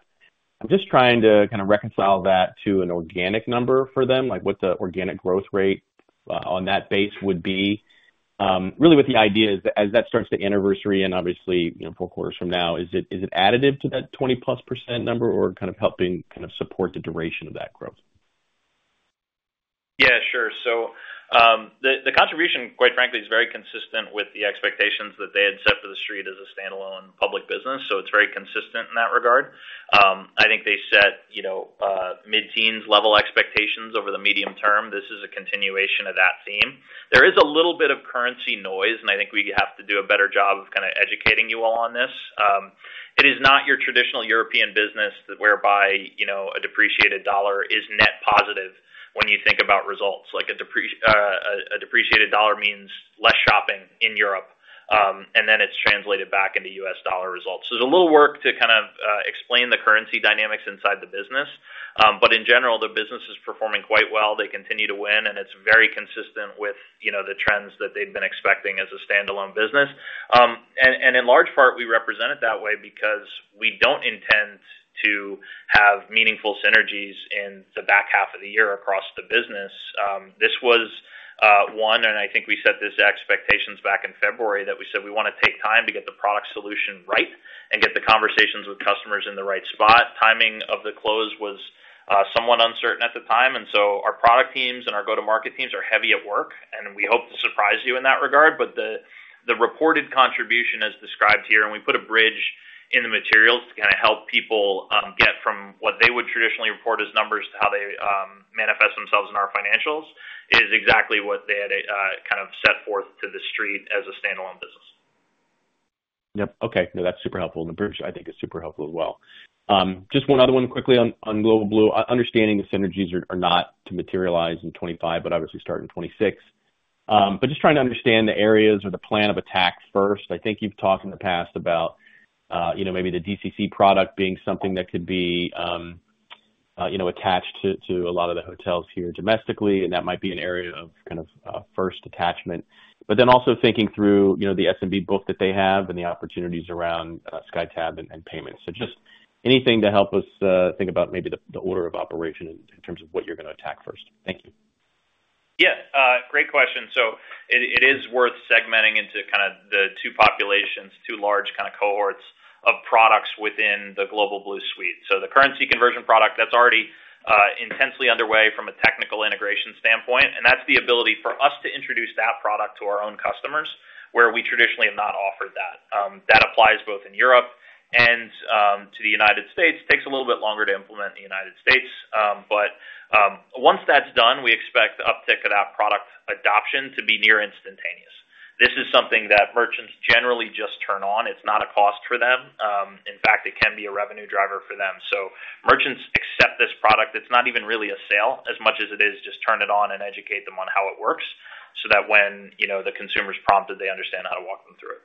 I'm just trying to kind of reconcile that to an organic number for them. Like what the organic growth rate on that base would be. Really what the idea is, as that starts the anniversary and obviously four quarters from now, is it additive to that 20+% number or kind of helping support the duration of that growth? Yeah, sure. The contribution, quite frankly, is very consistent with the expectations that they had set for the street as a standalone public business. It is very consistent in that regard. I think they set mid-teens level expectations over the medium term. This is a continuation of that theme. There is a little bit of currency noise, and I think we have to do a better job of kind of educating you all on this. It is not your traditional European business whereby a depreciated dollar is net positive when you think about results. A depreciated dollar means less shopping in Europe, and then it's translated back into U.S. dollar results. There is a little work to kind of explain the currency dynamics inside the business. In general, the business is performing quite well. They continue to win, and it's very consistent with the trends that they'd been expecting as a standalone business. In large part, we represent it that way because we don't intend to have meaningful synergies in the back half of the year across the business. This was one, and I think we set these expectations back in February that we said we want to take time to get the product solution right and get the conversations with customers in the right spot. Timing of the close was somewhat uncertain at the time, and our product teams and our go-to-market teams are heavy at work, and we hope to surprise you in that regard. The reported contribution as described here, and we put a bridge in the materials to kind of help people get from what they would traditionally report as numbers to how they manifest themselves in our financials, is exactly what they had kind of set forth to the street as a standalone business. Okay. Now, that's super helpful. The bridge I think is super helpful as well. Just one other one quickly on Global Blue. Understanding the synergies are not to materialize in 2025, but obviously start in 2026. Just trying to understand the areas or the plan of attack first. I think you've talked in the past about maybe the DCC product being something that could be attached to a lot of the hotels here domestically, and that might be an area of kind of first attachment. Also thinking through the SMB book that they have and the opportunities around SkyTab and payments. Just anything to help us think about maybe the order of operation in terms of what you're going to attack first. Thank you. Yeah, great question. It is worth segmenting into kind of the two populations, two large kind of cohorts of products within the Global Blue suite. The currency conversion product is already intensely underway from a technical integration standpoint, and that's the ability for us to introduce that product to our own customers where we traditionally have not offered that. That applies both in Europe and to the United States. It takes a little bit longer to implement in the United States. Once that's done, we expect the uptick of that product adoption to be near instantaneous. This is something that merchants generally just turn on. It's not a cost for them. In fact, it can be a revenue driver for them. Merchants accept this product. It's not even really a sale as much as it is just turn it on and educate them on how it works so that when the consumer's prompted, they understand how to walk them through it.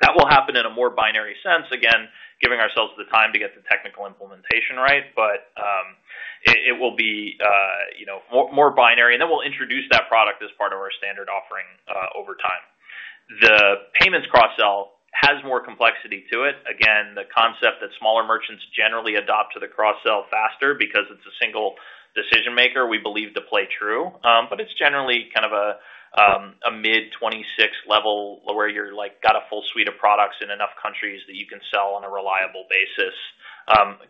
That will happen in a more binary sense, giving ourselves the time to get the technical implementation right, but it will be more binary, and then we'll introduce that product as part of our standard offering over time. The payments cross-sell has more complexity to it. The concept that smaller merchants generally adopt to the cross-sell faster because it's a single decision maker, we believe to play true. It's generally kind of a mid-2026 level where you've got a full suite of products in enough countries that you can sell on a reliable basis.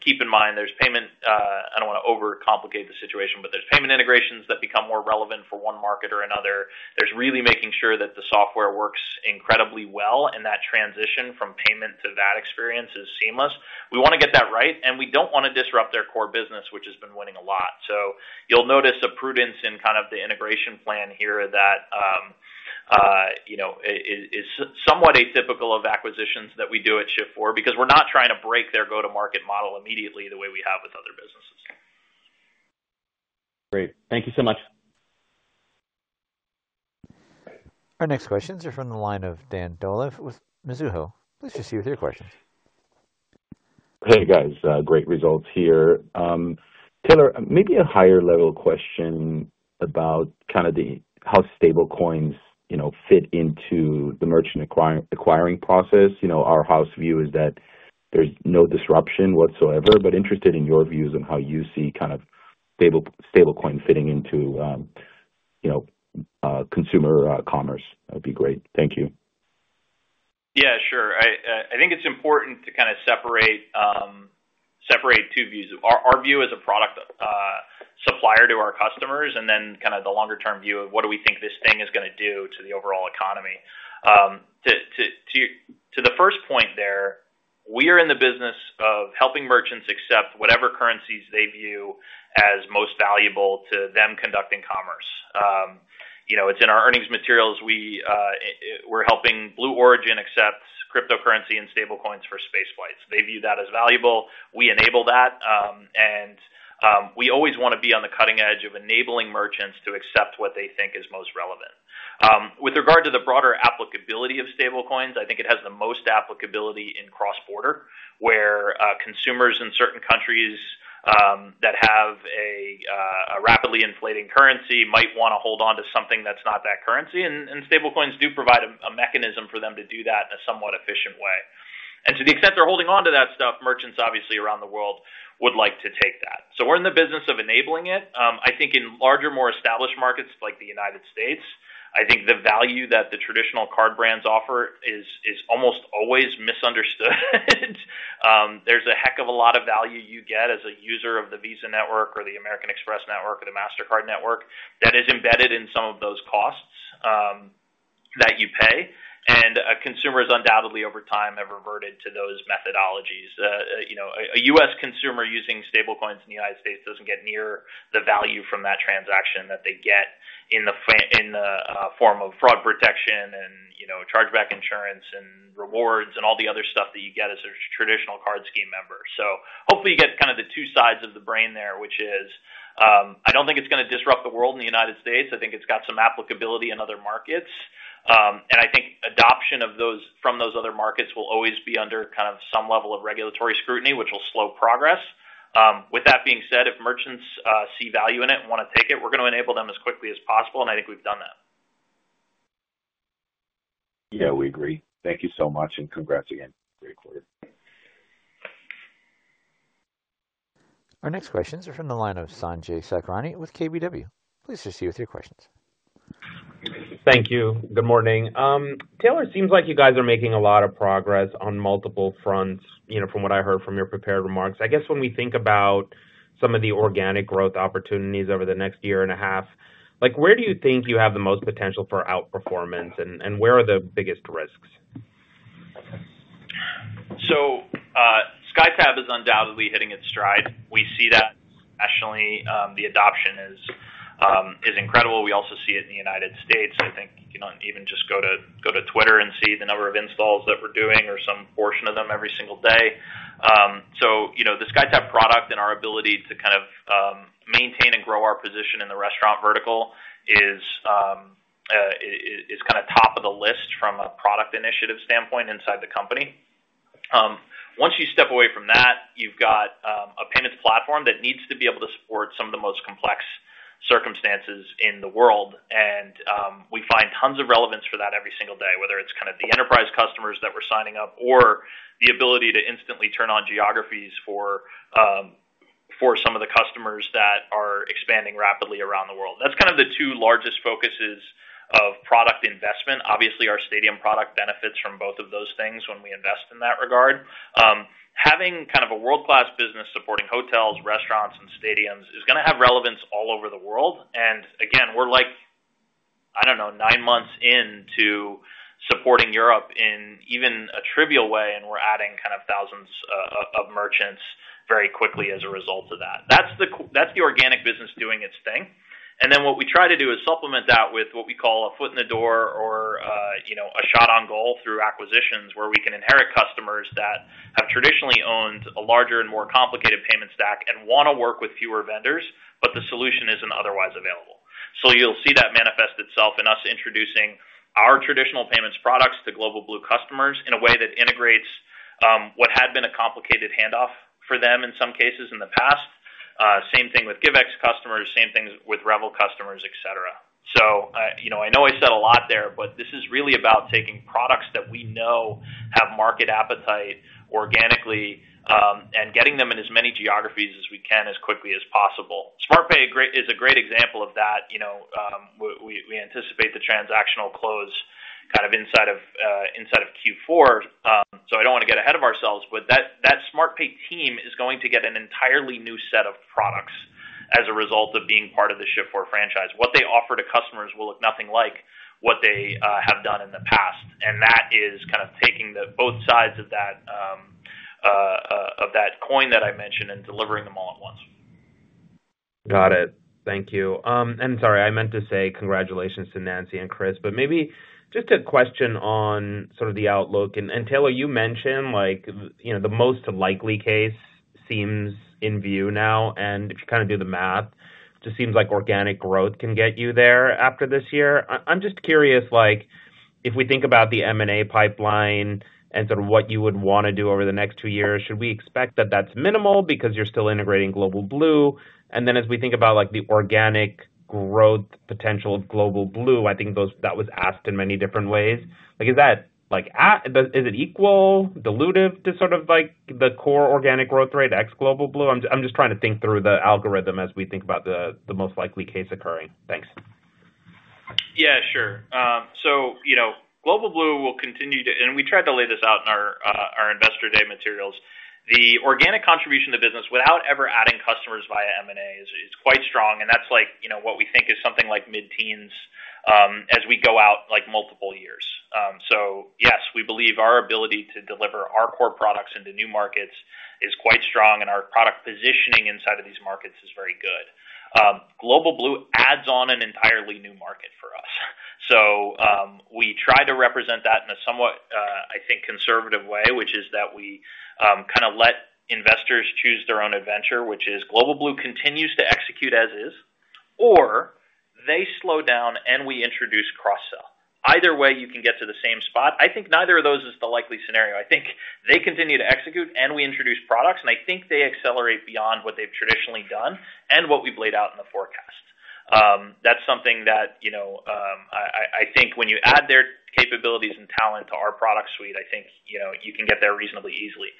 Keep in mind, there's payment, I don't want to overcomplicate the situation, but there's payment integrations that become more relevant for one market or another. There's really making sure that the software works incredibly well and that transition from payment to that experience is seamless. We want to get that right, and we don't want to disrupt their core business, which has been winning a lot. You'll notice a prudence in kind of the integration plan here that is somewhat atypical of acquisitions that we do at Shift4 Payments because we're not trying to break their go-to-market model immediately the way we have with other businesses. Great, thank you so much. Our next questions are from the line of Dan Dolev with Mizuho. Please proceed with your questions. Hey, guys. Great results here. Taylor, maybe a higher-level question about kind of how stablecoins fit into the merchant acquiring process. Our house view is that there's no disruption whatsoever, but interested in your views on how you see kind of stablecoin fitting into consumer commerce. That would be great. Thank you. Yeah, sure. I think it's important to kind of separate two views. Our view as a product supplier to our customers and then kind of the longer-term view of what do we think this thing is going to do to the overall economy. To the first point there, we are in the business of helping merchants accept whatever currencies they view as most valuable to them conducting commerce. It's in our earnings materials. We're helping Blue Origin accept cryptocurrency and stablecoins for space flights. They view that as valuable. We enable that, and we always want to be on the cutting edge of enabling merchants to accept what they think is most relevant. With regard to the broader applicability of stablecoins, I think it has the most applicability in cross-border where consumers in certain countries that have a rapidly inflating currency might want to hold on to something that's not that currency, and stablecoins do provide a mechanism for them to do that in a somewhat efficient way. To the extent they're holding on to that stuff, merchants obviously around the world would like to take that. We are in the business of enabling it. I think in larger, more established markets like the United States, I think the value that the traditional card brands offer is almost always misunderstood. There's a heck of a lot of value you get as a user of the Visa network or the American Express network or the MasterCard network that is embedded in some of those costs that you pay. Consumers undoubtedly over time have reverted to those methodologies. A U.S. consumer using stablecoins in the United States doesn't get near the value from that transaction that they get in the form of fraud protection and chargeback insurance and rewards and all the other stuff that you get as a traditional card scheme member. Hopefully you get kind of the two sides of the brain there, which is I don't think it's going to disrupt the world in the United States I think it's got some applicability in other markets, and I think adoption from those other markets will always be under kind of some level of regulatory scrutiny, which will slow progress. That being said, if merchants see value in it and want to take it, we're going to enable them as quickly as possible, and I think we've done that. Yeah, we agree. Thank you so much, and congrats again. Great quarter. Our next questions are from the line of Sanjay Sakhrani with KBW. Please proceed with your questions. Thank you. Good morning. Taylor, it seems like you guys are making a lot of progress on multiple fronts, from what I heard from your prepared remarks. I guess when we think about some of the organic growth opportunities over the next year and a half, where do you think you have the most potential for outperformance, and where are the biggest risks? SkyTab is undoubtedly hitting its stride. We see that nationally. The adoption is incredible. We also see it in the United States. I think you can even just go to Twitter and see the number of installs that we're doing or some portion of them every single day. The SkyTab product and our ability to kind of maintain and grow our position in the restaurant vertical is kind of top of the list from a product initiative standpoint inside the company. Once you step away from that, you've got a payments platform that needs to be able to support some of the most complex circumstances in the world, and we find tons of relevance for that every single day, whether it's kind of the enterprise customers that we're signing up or the ability to instantly turn on geographies for some of the customers that are expanding rapidly around the world. That's kind of the two largest focuses of product investment. Obviously, our stadium product benefits from both of those things when we invest in that regard. Having kind of a world-class business supporting hotels, restaurants, and stadiums is going to have relevance all over the world. Again, we're like, I don't know, nine months into supporting Europe in even a trivial way, and we're adding kind of thousands of merchants very quickly as a result of that. That's the organic business doing its thing. What we try to do is supplement that with what we call a foot in the door or a shot on goal through acquisitions where we can inherit customers that have traditionally owned a larger and more complicated payment stack and want to work with fewer vendors, but the solution isn't otherwise available. You'll see that manifest itself in us introducing our traditional payments products to Global Blue customers in a way that integrates what had been a complicated handoff for them in some cases in the past. Same thing with GiveX customers, same thing with Revel customers, et cetera. I know I said a lot there, but this is really about taking products that we know have market appetite organically and getting them in as many geographies as we can as quickly as possible. SmartPay is a great example of that. We anticipate the transactional close kind of inside of Q4. I don't want to get ahead of ourselves, but that SmartPay team is going to get an entirely new set of products as a result of being part of the Shift4 franchise. What they offer to customers will look nothing like what they have done in the past, and that is kind of taking both sides of that coin that I mentioned and delivering them all at once. Got it. Thank you. Sorry, I meant to say congratulations to Nancy and Chris, but maybe just a question on sort of the outlook. Taylor, you mentioned the most likely case seems in view now, and if you kind of do the math, it just seems like organic growth can get you there after this year. I'm just curious, if we think about the M&A pipeline and sort of what you would want to do over the next two years, should we expect that that's minimal because you're still integrating Global Blue? As we think about the organic growth potential of Global Blue, I think that was asked in many different ways. Is it equal, dilutive to sort of the core organic growth rate ex-Global Blue? I'm just trying to think through the algorithm as we think about the most likely case occurring. Thanks. Yeah, sure. Global Blue will continue to, and we tried to lay this out in our Investor Day materials, the organic contribution to business without ever adding customers via M&A is quite strong, and that's what we think is something like mid-teens as we go out multiple years. Yes, we believe our ability to deliver our core products into new markets is quite strong, and our product positioning inside of these markets is very good. Global Blue adds on an entirely new market for us. We try to represent that in a somewhat, I think, conservative way, which is that we kind of let investors choose their own adventure, which is Global Blue continues to execute as is, or they slow down and we introduce cross-sell. Either way, you can get to the same spot. I think neither of those is the likely scenario. I think they continue to execute and we introduce products, and I think they accelerate beyond what they've traditionally done and what we've laid out in the forecast. That's something that I think when you add their capabilities and talent to our product suite, I think you can get there reasonably easily.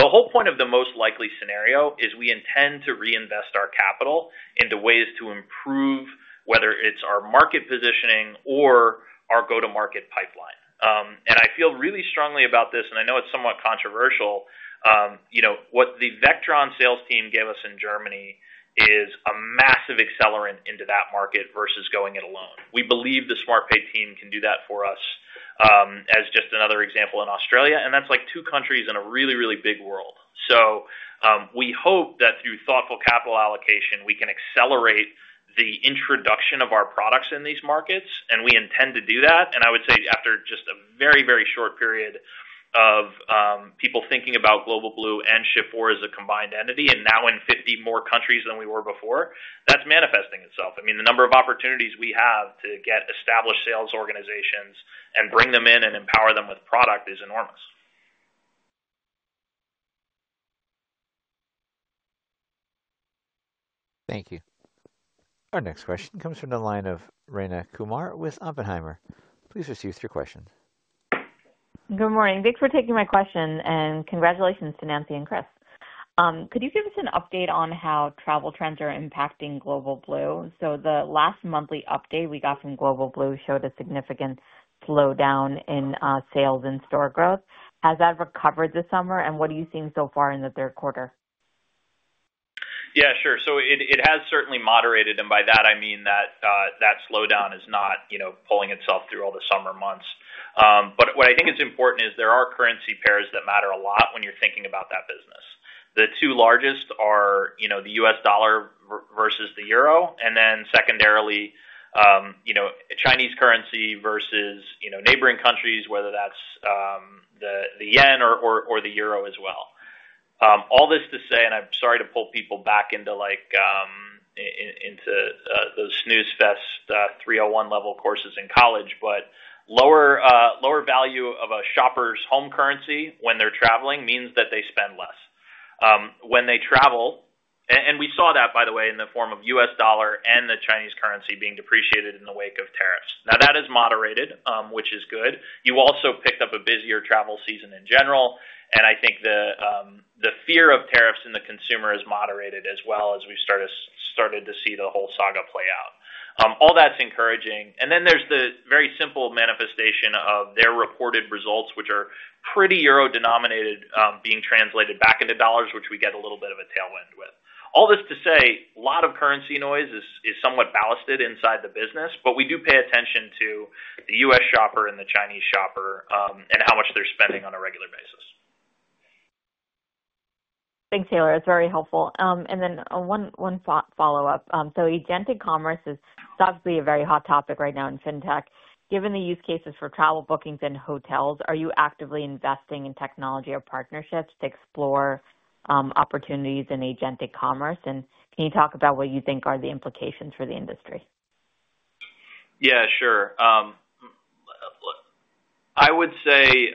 The whole point of the most likely scenario is we intend to reinvest our capital into ways to improve whether it's our market positioning or our go-to-market pipeline. I feel really strongly about this, and I know it's somewhat controversial. What the Vectron sales team gave us in Germany is a massive accelerant into that market versus going it alone. We believe the SmartPay team can do that for us as just another example in Australia, and that's like two countries in a really, really big world. We hope that through thoughtful capital allocation, we can accelerate the introduction of our products in these markets, and we intend to do that. I would say after just a very, very short period of people thinking about Global Blue and Shift4 as a combined entity, and now in 50 more countries than we were before, that's manifesting itself. I mean, the number of opportunities we have to get established sales organizations and bring them in and empower them with product is enormous. Thank you. Our next question comes from the line of Ryna Kumar with Oppenheimer. Please proceed with your question. Good morning. Thanks for taking my question, and congratulations to Nancy and Chris. Could you give us an update on how travel trends are impacting Global Blue? The last monthly update we got from Global Blue showed a significant slowdown in sales and store growth. Has that recovered this summer, and what are you seeing so far in the third quarter? Yeah, sure. It has certainly moderated, and by that, I mean that slowdown is not pulling itself through all the summer months. What I think is important is there are currency pairs that matter a lot when you're thinking about that business. The two largest are the U.S. dollar versus the euro, and then secondarily, Chinese currency versus neighboring countries, whether that's the yen or the euro as well. All this to say, and I'm sorry to pull people back into those snooze fest 301 level courses in college, lower value of a shopper's home currency when they're traveling means that they spend less. When they travel, and we saw that, by the way, in the form of U.S. dollar and the Chinese currency being depreciated in the wake of tariffs. That has moderated, which is good. You also picked up a busier travel season in general, and I think the fear of tariffs in the consumer has moderated as well as we've started to see the whole saga play out. All that's encouraging. There is the very simple manifestation of their reported results, which are pretty euro-denominated, being translated back into dollars, which we get a little bit of a tailwind with. All this to say, a lot of currency noise is somewhat ballasted inside the business, but we do pay attention to the U.S. shopper and the Chinese shopper and how much they're spending on a regular basis. Thanks, Taylor. That's very helpful. One thought follow-up. Agented commerce is thought to be a very hot topic right now in fintech. Given the use cases for travel bookings and hotels, are you actively investing in technology or partnerships to explore opportunities in agented commerce? Can you talk about what you think are the implications for the industry? Yeah, sure. I would say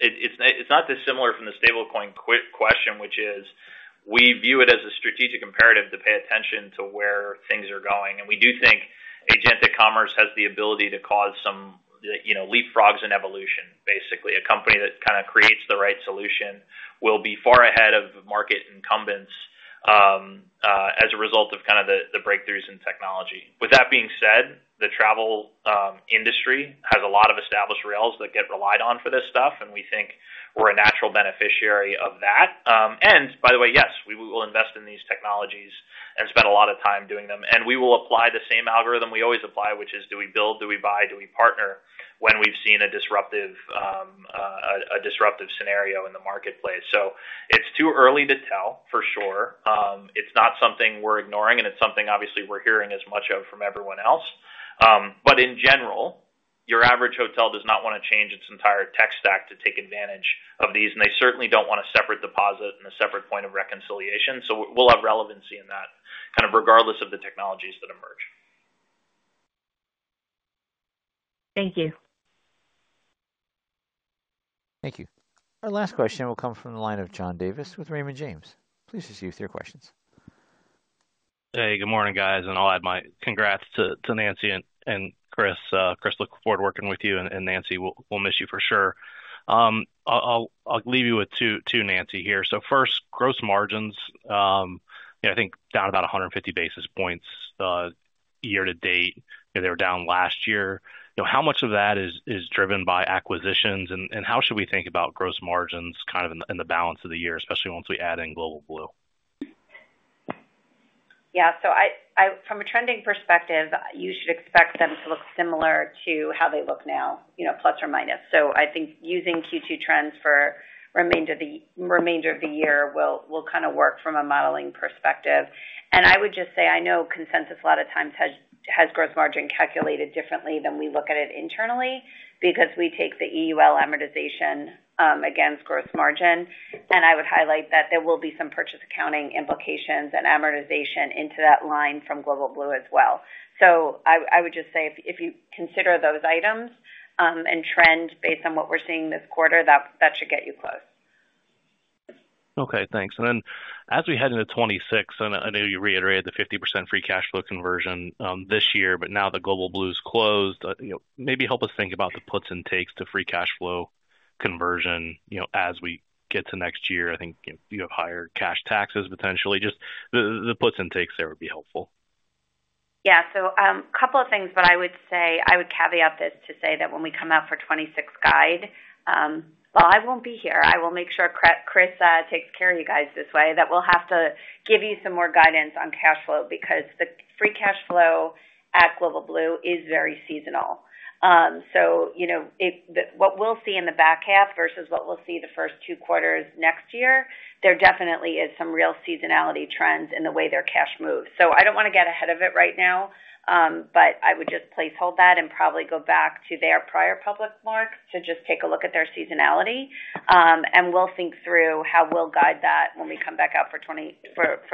it's not dissimilar from the stablecoin question, which is we view it as a strategic imperative to pay attention to where things are going. We do think agented commerce has the ability to cause some leapfrogs in evolution, basically. A company that kind of creates the right solution will be far ahead of market incumbents as a result of the breakthroughs in technology. That being said, the travel industry has a lot of established rails that get relied on for this stuff, and we think we're a natural beneficiary of that. By the way, yes, we will invest in these technologies and spend a lot of time doing them. We will apply the same algorithm we always apply, which is do we build, do we buy, do we partner when we've seen a disruptive scenario in the marketplace. It's too early to tell for sure. It's not something we're ignoring, and it's something obviously we're hearing as much of from everyone else. In general, your average hotel does not want to change its entire tech stack to take advantage of these, and they certainly don't want a separate deposit and a separate point of reconciliation. We'll have relevancy in that kind of regardless of the technologies that emerge. Thank you. Thank you. Our last question will come from the line of John Davis with Raymond James. Please proceed with your questions. Hey, good morning, guys, and I'll add my congrats to Nancy and Chris. Chris, looking forward to working with you, and Nancy, we'll miss you for sure. I'll leave you with two, Nancy, here. First, gross margins. I think down about 150 basis points year to date. They were down last year. How much of that is driven by acquisitions, and how should we think about gross margins kind of in the balance of the year, especially once we add in Global Blue? Yeah, from a trending perspective, you should expect them to look similar to how they look now, plus or minus. I think using Q2 trends for the remainder of the year will kind of work from a modeling perspective. I would just say I know consensus a lot of times has gross margin calculated differently than we look at it internally because we take the EUL amortization against gross margin. I would highlight that there will be some purchase accounting implications and amortization into that line from Global Blue as well. I would just say if you consider those items and trend based on what we're seeing this quarter, that should get you close. Okay, thanks. As we head into 2026, and I know you reiterated the 50% free cash flow conversion this year, now that Global Blue's closed, maybe help us think about the puts and takes to free cash flow conversion as we get to next year. I think you have higher cash taxes potentially. Just the puts and takes there would be helpful. Yeah, so a couple of things, but I would say I would caveat this to say that when we come out for 2026 guide, I won't be here. I will make sure Chris takes care of you guys this way, that we'll have to give you some more guidance on cash flow because the free cash flow at Global Blue is very seasonal. You know what we'll see in the back half versus what we'll see the first two quarters next year, there definitely is some real seasonality trends in the way their cash moves. I don't want to get ahead of it right now, but I would just placehold that and probably go back to their prior public marks to just take a look at their seasonality. We'll think through how we'll guide that when we come back out for 2026.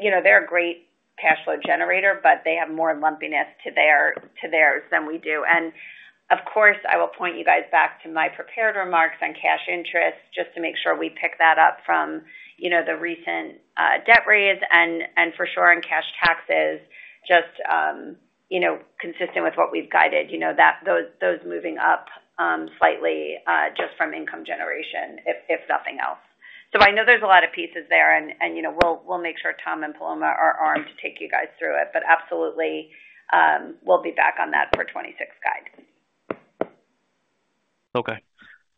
You know they're a great cash flow generator, but they have more lumpiness to theirs than we do. Of course, I will point you guys back to my prepared remarks on cash interest just to make sure we pick that up from the recent debt raise and for sure on cash taxes, just consistent with what we've guided, you know those moving up slightly just from income generation, if nothing else. I know there's a lot of pieces there, and we'll make sure Tom and Paloma are armed to take you guys through it. Absolutely, we'll be back on that for 2026 guide. Okay,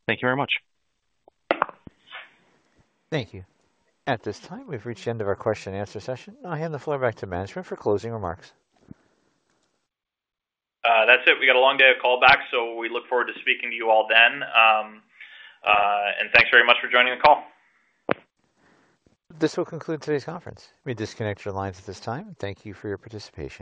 thank you very much. Thank you. At this time, we've reached the end of our question and answer session. I'll hand the floor back to management for closing remarks. That's it. We got a long day of callbacks, so we look forward to speaking to you all then. Thanks very much for joining the call. This will conclude today's conference. We will disconnect your lines at this time. Thank you for your participation.